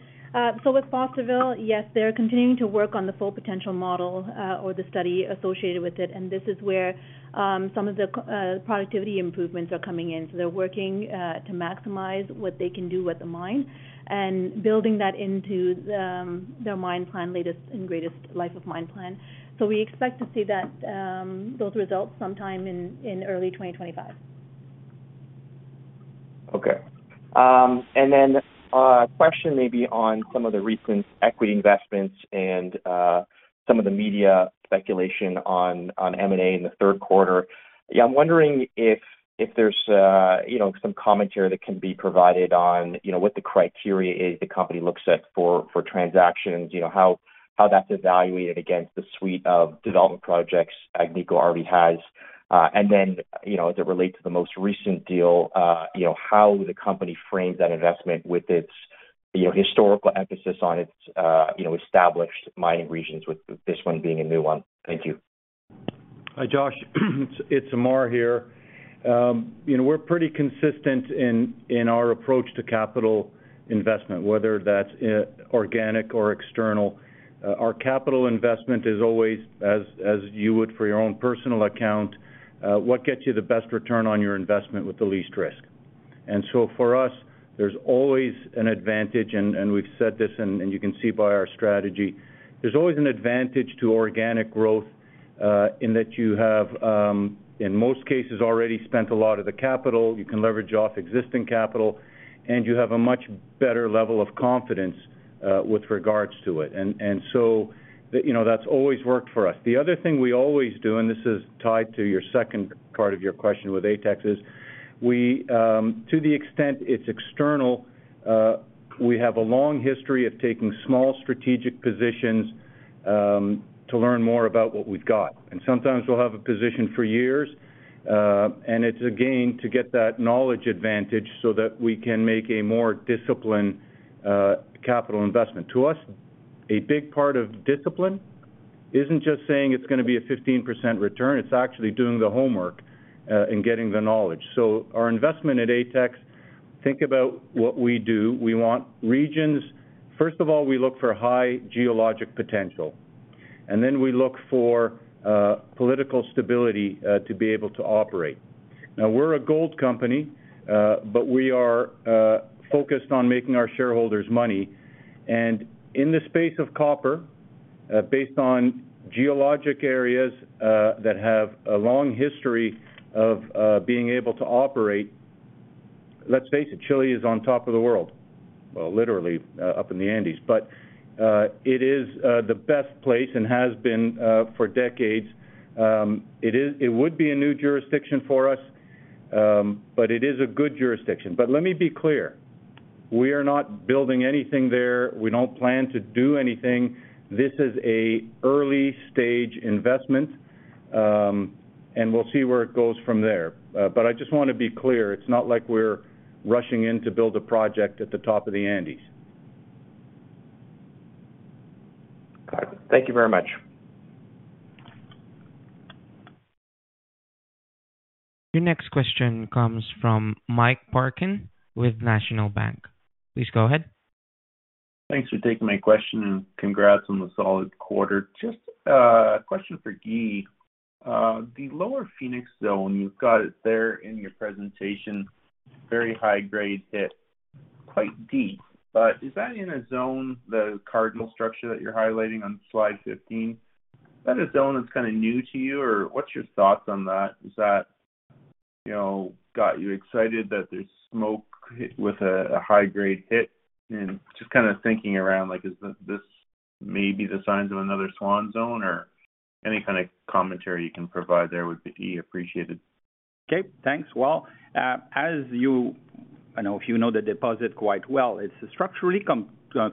So with Fosterville, yes, they're continuing to work on the full potential model or the study associated with it. And this is where some of the productivity improvements are coming in. So they're working to maximize what they can do with the mine and building that into their mine plan, latest and greatest life of mine plan. So we expect to see those results sometime in early 2025. Okay, and then a question maybe on some of the recent equity investments and some of the media speculation on M&A in the third quarter. Yeah, I'm wondering if there's some commentary that can be provided on what the criteria is the company looks at for transactions, how that's evaluated against the suite of development projects Agnico already has, and then as it relates to the most recent deal, how the company frames that investment with its historical emphasis on its established mining regions, with this one being a new one? Thank you. Hi, Josh. It's Ammar here. We're pretty consistent in our approach to capital investment, whether that's organic or external. Our capital investment is always, as you would for your own personal account, what gets you the best return on your investment with the least risk. And so for us, there's always an advantage, and we've said this, and you can see by our strategy, there's always an advantage to organic growth in that you have, in most cases, already spent a lot of the capital. You can leverage off existing capital, and you have a much better level of confidence with regards to it. And so that's always worked for us. The other thing we always do, and this is tied to your second part of your question with ATEX, is to the extent it's external, we have a long history of taking small strategic positions to learn more about what we've got, and sometimes we'll have a position for years, and it's a gain to get that knowledge advantage so that we can make a more disciplined capital investment. To us, a big part of discipline isn't just saying it's going to be a 15% return. It's actually doing the homework and getting the knowledge. So our investment at ATEX, think about what we do. We want regions. First of all, we look for high geologic potential, and then we look for political stability to be able to operate. Now, we're a gold company, but we are focused on making our shareholders money. And in the space of copper, based on geologic areas that have a long history of being able to operate, let's face it, Chile is on top of the world. Well, literally up in the Andes. But it is the best place and has been for decades. It would be a new jurisdiction for us, but it is a good jurisdiction. But let me be clear. We are not building anything there. We don't plan to do anything. This is an early-stage investment, and we'll see where it goes from there. But I just want to be clear. It's not like we're rushing in to build a project at the top of the Andes. Got it. Thank you very much. Your next question comes from Mike Parkin with National Bank. Please go ahead. Thanks for taking my question and congrats on the solid quarter. Just a question for Guy. The Lower Phoenix Zone, you've got it there in your presentation, very high-grade hit, quite deep. But is that in a zone, the Cardinal structure that you're highlighting on slide 15? Is that a zone that's kind of new to you? Or what's your thoughts on that? Has that got you excited that there's smoke hit with a high-grade hit? And just kind of thinking around, is this maybe the signs of another Swan Zone? Or any kind of commentary you can provide there would be appreciated. Okay. Thanks. Well, as you know, if you know the deposit quite well, it's a structurally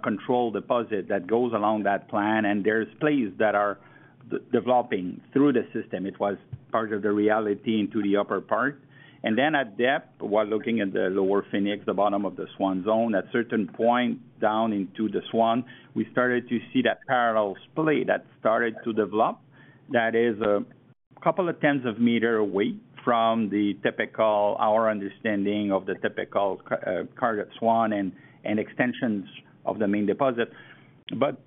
controlled deposit that goes along that plan. And there's splays that are developing through the system. It was part of the reality into the upper part. And then at depth, while looking at the Lower Phoenix, the bottom of the Swan Zone, at a certain point down into the Swan, we started to see that parallel splay that started to develop that is a couple of tens of meters away from our understanding of the typical target Swan and extensions of the main deposit. But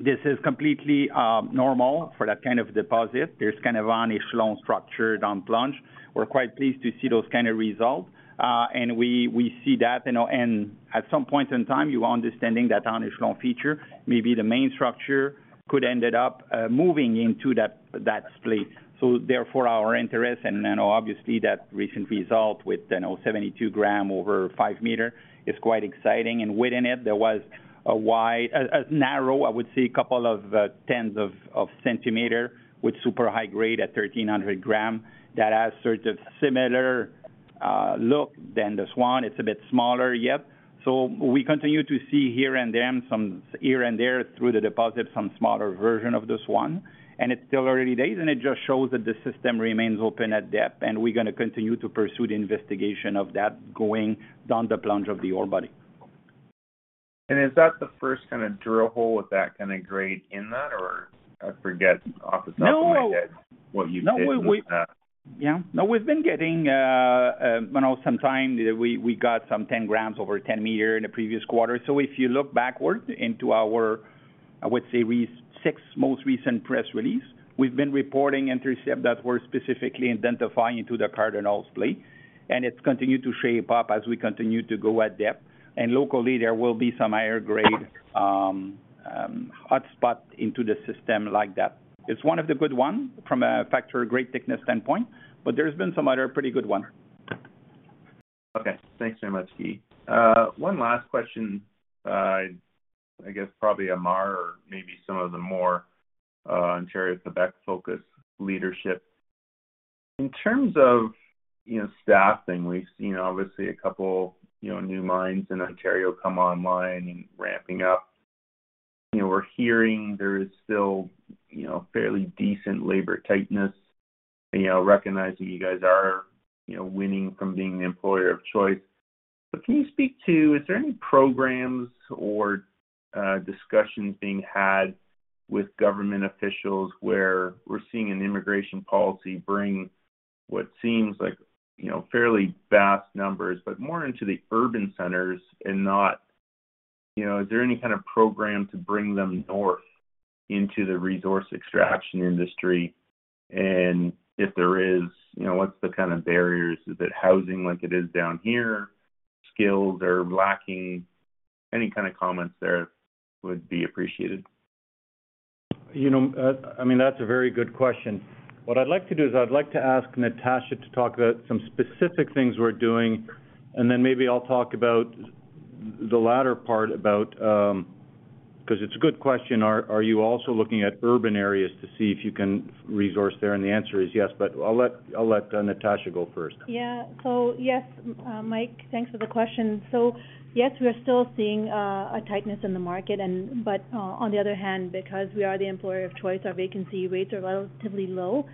this is completely normal for that kind of deposit. There's kind of en echelon structure down plunge. We're quite pleased to see those kind of results. And we see that. And at some point in time, you are understanding that an echelon feature, maybe the main structure, could end up moving into that splay. So therefore, our interest and obviously that recent result with 72 grams over 5 meters is quite exciting. And within it, there was a narrow, I would say, couple of tens of centimeters with super high grade at 1,300 grams that has sort of a similar look than the Swan. It's a bit smaller, yep. So we continue to see here and there and some here and there through the deposit, some smaller version of the Swan. And it's still early days, and it just shows that the system remains open at depth. And we're going to continue to pursue the investigation of that going down the plunge of the ore body. Is that the first kind of drill hole with that kind of grade in that? Or I forget off the top of my head what you've been doing with that. No, we've been getting some time. We got some 10 grams over 10 meters in the previous quarter. So if you look backward into our, I would say, six most recent press releases, we've been reporting intercept that we're specifically identifying into the Cardinal splay. And it's continued to shape up as we continue to go at depth. And locally, there will be some higher grade hotspot into the system like that. It's one of the good ones from a factor of grade thickness standpoint, but there's been some other pretty good ones. Okay. Thanks very much, Guy. One last question, I guess probably Ammar or maybe some of the more Ontario Quebec-focused leadership. In terms of staffing, we've seen obviously a couple of new mines in Ontario come online and ramping up. We're hearing there is still fairly decent labor tightness, recognizing you guys are winning from being the employer of choice. But can you speak to, is there any programs or discussions being had with government officials where we're seeing an immigration policy bring what seems like fairly vast numbers, but more into the urban centers and not? Is there any kind of program to bring them north into the resource extraction industry? And if there is, what's the kind of barriers? Is it housing like it is down here? Skills are lacking? Any kind of comments there would be appreciated. I mean, that's a very good question. What I'd like to do is I'd like to ask Natasha to talk about some specific things we're doing. And then maybe I'll talk about the latter part about because it's a good question. Are you also looking at urban areas to see if you can resource there? And the answer is yes. But I'll let Natasha go first. Yeah. So yes, Mike, thanks for the question. So yes, we are still seeing a tightness in the market. But on the other hand, because we are the employer of choice, our vacancy rates are relatively low.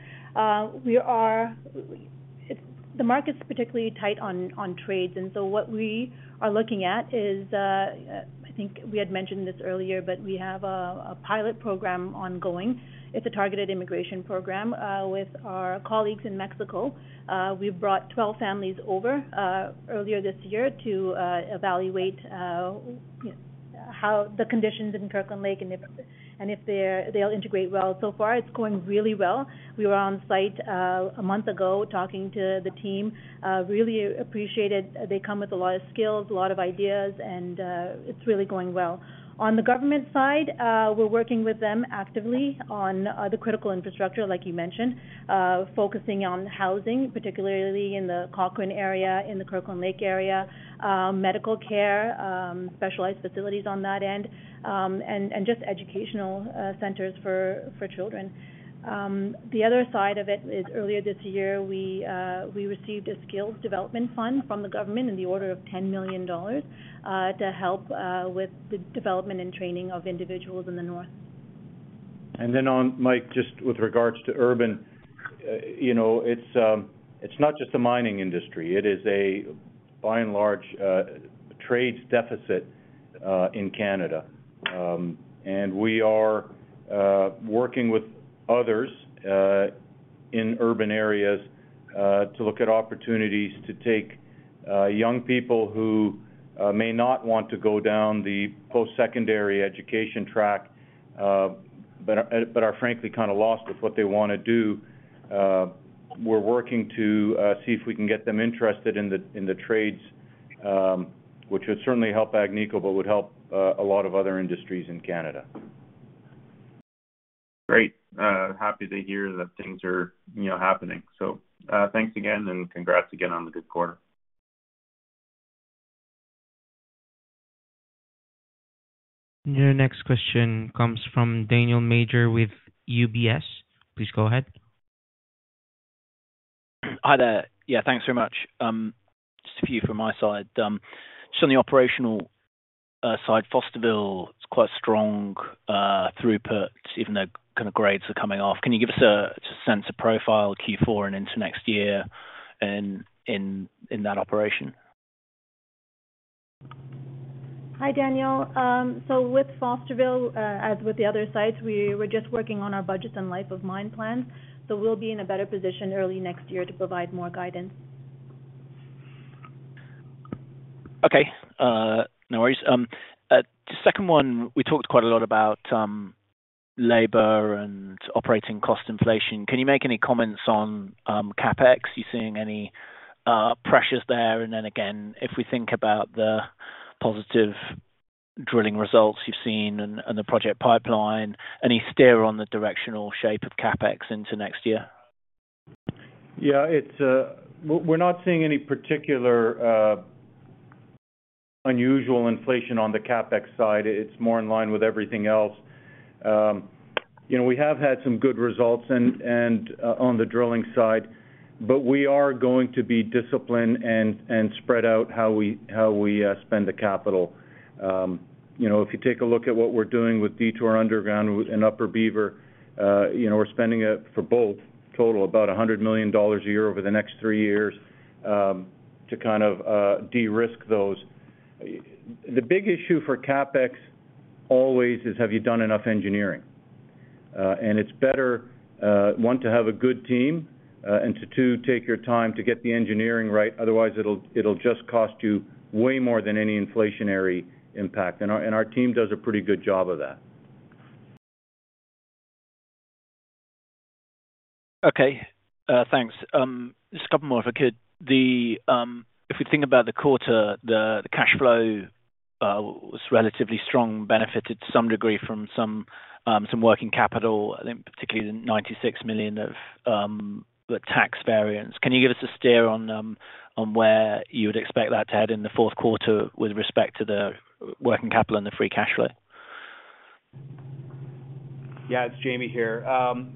The market's particularly tight on trades. And so what we are looking at is, I think we had mentioned this earlier, but we have a pilot program ongoing. It's a targeted immigration program with our colleagues in Mexico. We brought 12 families over earlier this year to evaluate the conditions in Kirkland Lake and if they'll integrate well. So far, it's going really well. We were on site a month ago talking to the team. Really appreciated. They come with a lot of skills, a lot of ideas, and it's really going well. On the government side, we're working with them actively on the critical infrastructure, like you mentioned, focusing on housing, particularly in the Cochrane area, in the Kirkland Lake area, medical care, specialized facilities on that end, and just educational centers for children. The other side of it is earlier this year, we received a skills development fund from the government in the order of $10 million to help with the development and training of individuals in the north. And then on, Mike, just with regards to labor, it's not just the mining industry. It is a by and large labor deficit in Canada. And we are working with others in urban areas to look at opportunities to take young people who may not want to go down the post-secondary education track but are frankly kind of lost with what they want to do. We're working to see if we can get them interested in the trades, which would certainly help Agnico, but would help a lot of other industries in Canada. Great. Happy to hear that things are happening. So thanks again and congrats again on the good quarter. Your next question comes from Daniel Major with UBS. Please go ahead. Hi, there. Yeah, thanks very much. Just a few from my side. Just on the operational side, Fosterville, it's quite strong throughput, even though kind of grades are coming off. Can you give us a sense of profile Q4 and into next year in that operation? Hi, Daniel. So with Fosterville, as with the other sites, we're just working on our budgets and life of mine plans. So we'll be in a better position early next year to provide more guidance. Okay. No worries. Second one, we talked quite a lot about labor and operating cost inflation. Can you make any comments on CapEx? Are you seeing any pressures there? And then again, if we think about the positive drilling results you've seen and the project pipeline, any steer on the directional shape of CapEx into next year? Yeah. We're not seeing any particular unusual inflation on the CapEx side. It's more in line with everything else. We have had some good results on the drilling side, but we are going to be disciplined and spread out how we spend the capital. If you take a look at what we're doing with Detour Underground and Upper Beaver, we're spending for both total about $100 million a year over the next three years to kind of de-risk those. The big issue for CapEx always is, have you done enough engineering? And it's better one to have a good team and to, two, take your time to get the engineering right. Otherwise, it'll just cost you way more than any inflationary impact. And our team does a pretty good job of that. Okay. Thanks. Just a couple more if I could. If we think about the quarter, the cash flow was relatively strong, benefited to some degree from some working capital, particularly the $96 million of the tax variance. Can you give us a steer on where you would expect that to head in the fourth quarter with respect to the working capital and the free cash flow? Yeah, it's Jamie here.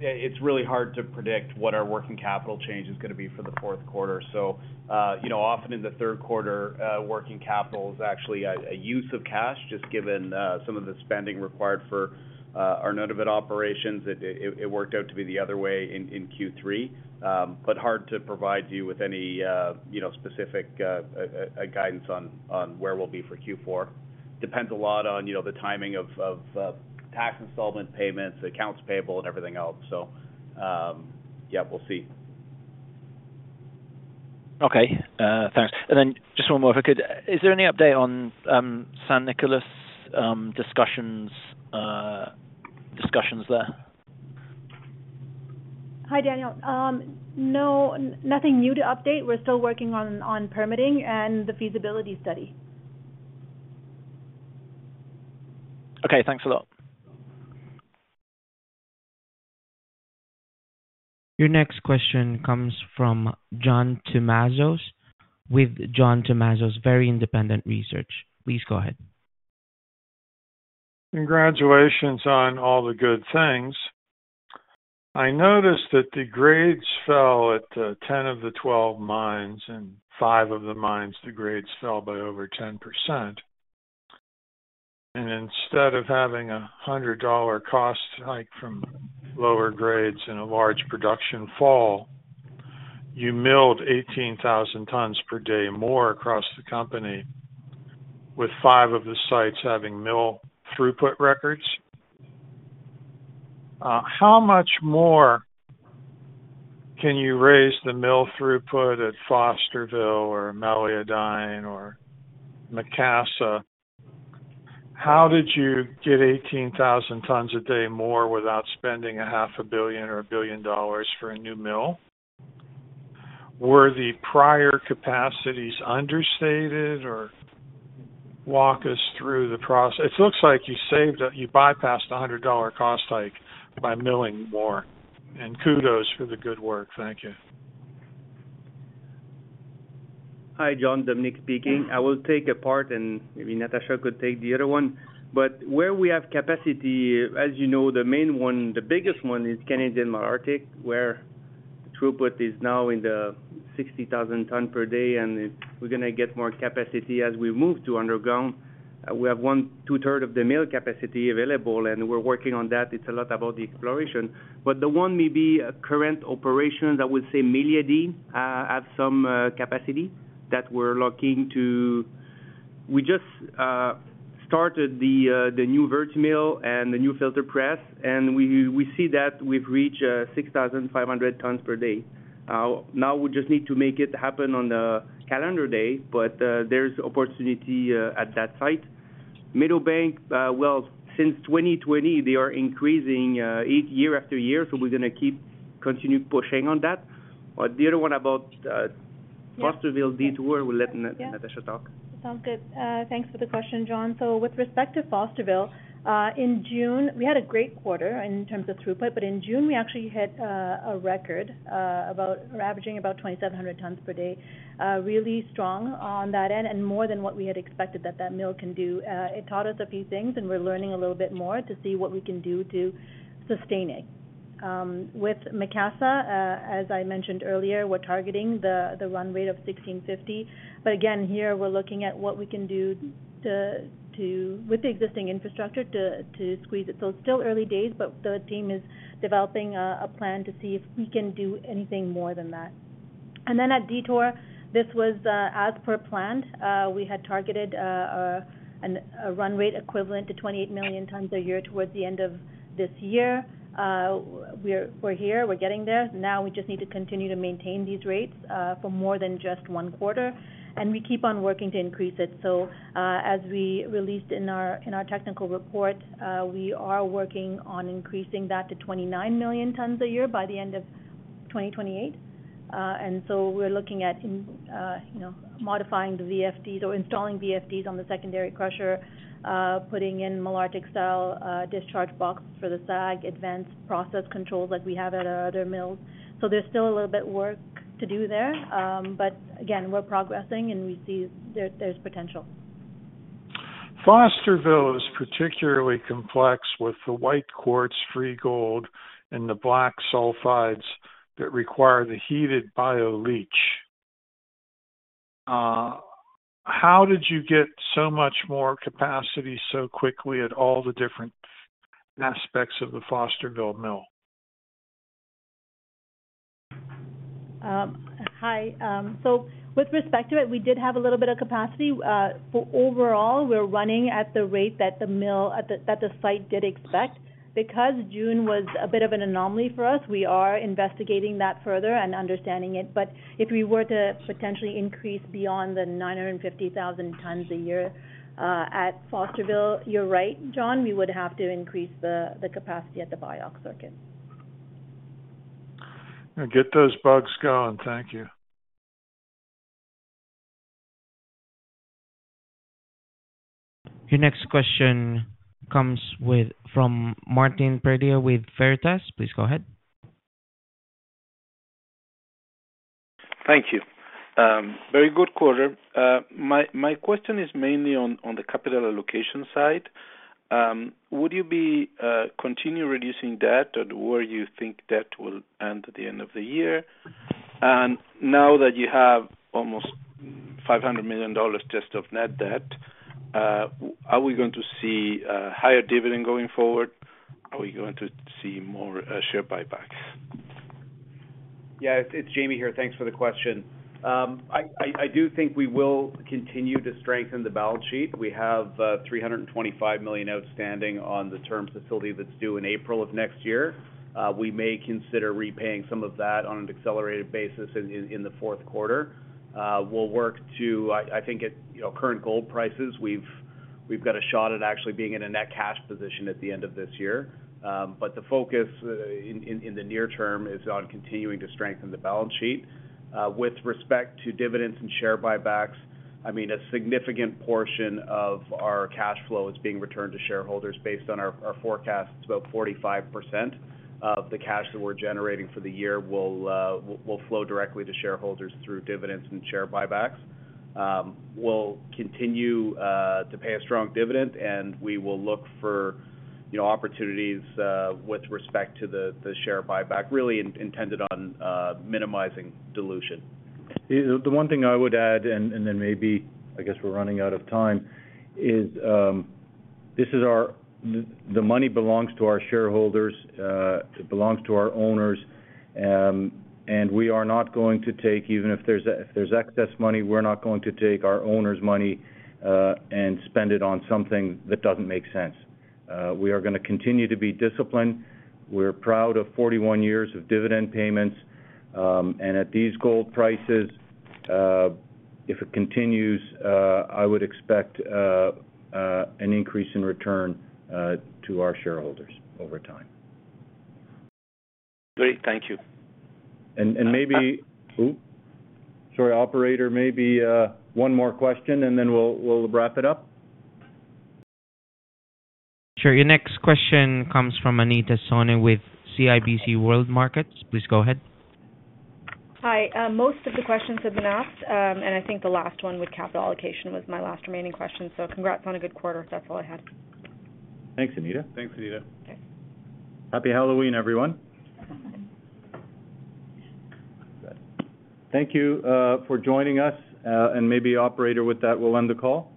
It's really hard to predict what our working capital change is going to be for the fourth quarter. So often in the third quarter, working capital is actually a use of cash, just given some of the spending required for our Nunavut operations. It worked out to be the other way in Q3, but hard to provide you with any specific guidance on where we'll be for Q4. Depends a lot on the timing of tax installment payments, accounts payable, and everything else. So yeah, we'll see. Okay. Thanks. And then just one more if I could. Is there any update on San Nicolás discussions there? Hi, Daniel. No, nothing new to update. We're still working on permitting and the feasibility study. Okay. Thanks a lot. Your next question comes from John Tumazos with John Tumazos Very Independent Research. Please go ahead. Congratulations on all the good things. I noticed that the grades fell at 10 of the 12 mines, and 5 of the mines, the grades fell by over 10%. And instead of having a $100 cost hike from lower grades and a large production fall, you milled 18,000 tons per day more across the company, with 5 of the sites having mill throughput records. How much more can you raise the mill throughput at Fosterville or Meliadine or Macassa? How did you get 18,000 tons a day more without spending $500 million or $1 billion for a new mill? Were the prior capacities understated? Or walk us through the process. It looks like you bypassed a $100 cost hike by milling more. And kudos for the good work. Thank you. Hi, John, Dominique speaking. I will take a part, and maybe Natasha could take the other one. But where we have capacity, as you know, the main one, the biggest one is Canadian Malartic, where throughput is now in the 60,000 tons per day. And we're going to get more capacity as we move to underground. We have one- to two-thirds of the mill capacity available, and we're working on that. It's a lot about the exploration. But the one, maybe current operations, I would say Meliadine has some capacity that we're looking to. We just started the new Vertimill and the new filter press, and we see that we've reached 6,500 tons per day. Now we just need to make it happen on the calendar day, but there's opportunity at that site. Meadowbank, well, since 2020, they are increasing year after year, so we're going to keep continuing pushing on that. The other one about Fosterville, Detour, we'll let Natasha talk. Yeah. Sounds good. Thanks for the question, John. So with respect to Fosterville, in June, we had a great quarter in terms of throughput, but in June, we actually hit a record of averaging about 2,700 tons per day. Really strong on that end and more than what we had expected that that mill can do. It taught us a few things, and we're learning a little bit more to see what we can do to sustain it. With Macassa, as I mentioned earlier, we're targeting the run rate of 1,650. But again, here, we're looking at what we can do with the existing infrastructure to squeeze it. So it's still early days, but the team is developing a plan to see if we can do anything more than that. And then at Detour, this was as per planned. We had targeted a run rate equivalent to 28 million tons a year towards the end of this year. We're here. We're getting there. Now we just need to continue to maintain these rates for more than just one quarter, and we keep on working to increase it, so as we released in our technical report, we are working on increasing that to 29 million tons a year by the end of 2028, and so we're looking at modifying the VFDs or installing VFDs on the secondary crusher, putting in Malartic style discharge box for the SAG, advanced process controls like we have at our other mills. So there's still a little bit of work to do there, but again, we're progressing, and we see there's potential. Fosterville is particularly complex with the white quartz free gold and the black sulfides that require the heated bio-leach. How did you get so much more capacity so quickly at all the different aspects of the Fosterville mill? Hi. So with respect to it, we did have a little bit of capacity. Overall, we're running at the rate that the site did expect. Because June was a bit of an anomaly for us, we are investigating that further and understanding it. But if we were to potentially increase beyond the 950,000 tons a year at Fosterville, you're right, John. We would have to increase the capacity at the BIOX circuit. Get those bugs going. Thank you. Your next question comes from Martin Pradier with Veritas. Please go ahead. Thank you. Very good quarter. My question is mainly on the capital allocation side. Would you be continuing reducing debt, or do you think debt will end at the end of the year? And now that you have almost $500 million just of net debt, are we going to see higher dividend going forward? Are we going to see more share buybacks? Yeah, it's Jamie here. Thanks for the question. I do think we will continue to strengthen the balance sheet. We have $325 million outstanding on the term facility that's due in April of next year. We may consider repaying some of that on an accelerated basis in the fourth quarter. We'll work to, I think, at current gold prices. We've got a shot at actually being in a net cash position at the end of this year. But the focus in the near term is on continuing to strengthen the balance sheet. With respect to dividends and share buybacks, I mean, a significant portion of our cash flow is being returned to shareholders based on our forecast. It's about 45% of the cash that we're generating for the year will flow directly to shareholders through dividends and share buybacks. We'll continue to pay a strong dividend, and we will look for opportunities with respect to the share buyback, really intended on minimizing dilution. The one thing I would add, and then maybe, I guess we're running out of time, is this is our money. The money belongs to our shareholders. It belongs to our owners. And we are not going to take, even if there's excess money, we're not going to take our owner's money and spend it on something that doesn't make sense. We are going to continue to be disciplined. We're proud of 41 years of dividend payments. And at these gold prices, if it continues, I would expect an increase in return to our shareholders over time. Great. Thank you. And maybe, oops. Sorry, operator, maybe one more question, and then we'll wrap it up. Sure. Your next question comes from Anita Soni with CIBC World Markets. Please go ahead. Hi. Most of the questions have been asked, and I think the last one with capital allocation was my last remaining question. So congrats on a good quarter. That's all I had. Thanks, Anita. Thanks, Anita. Okay. Happy Halloween, everyone. Thank you for joining us. And maybe, operator, with that, we'll end the call.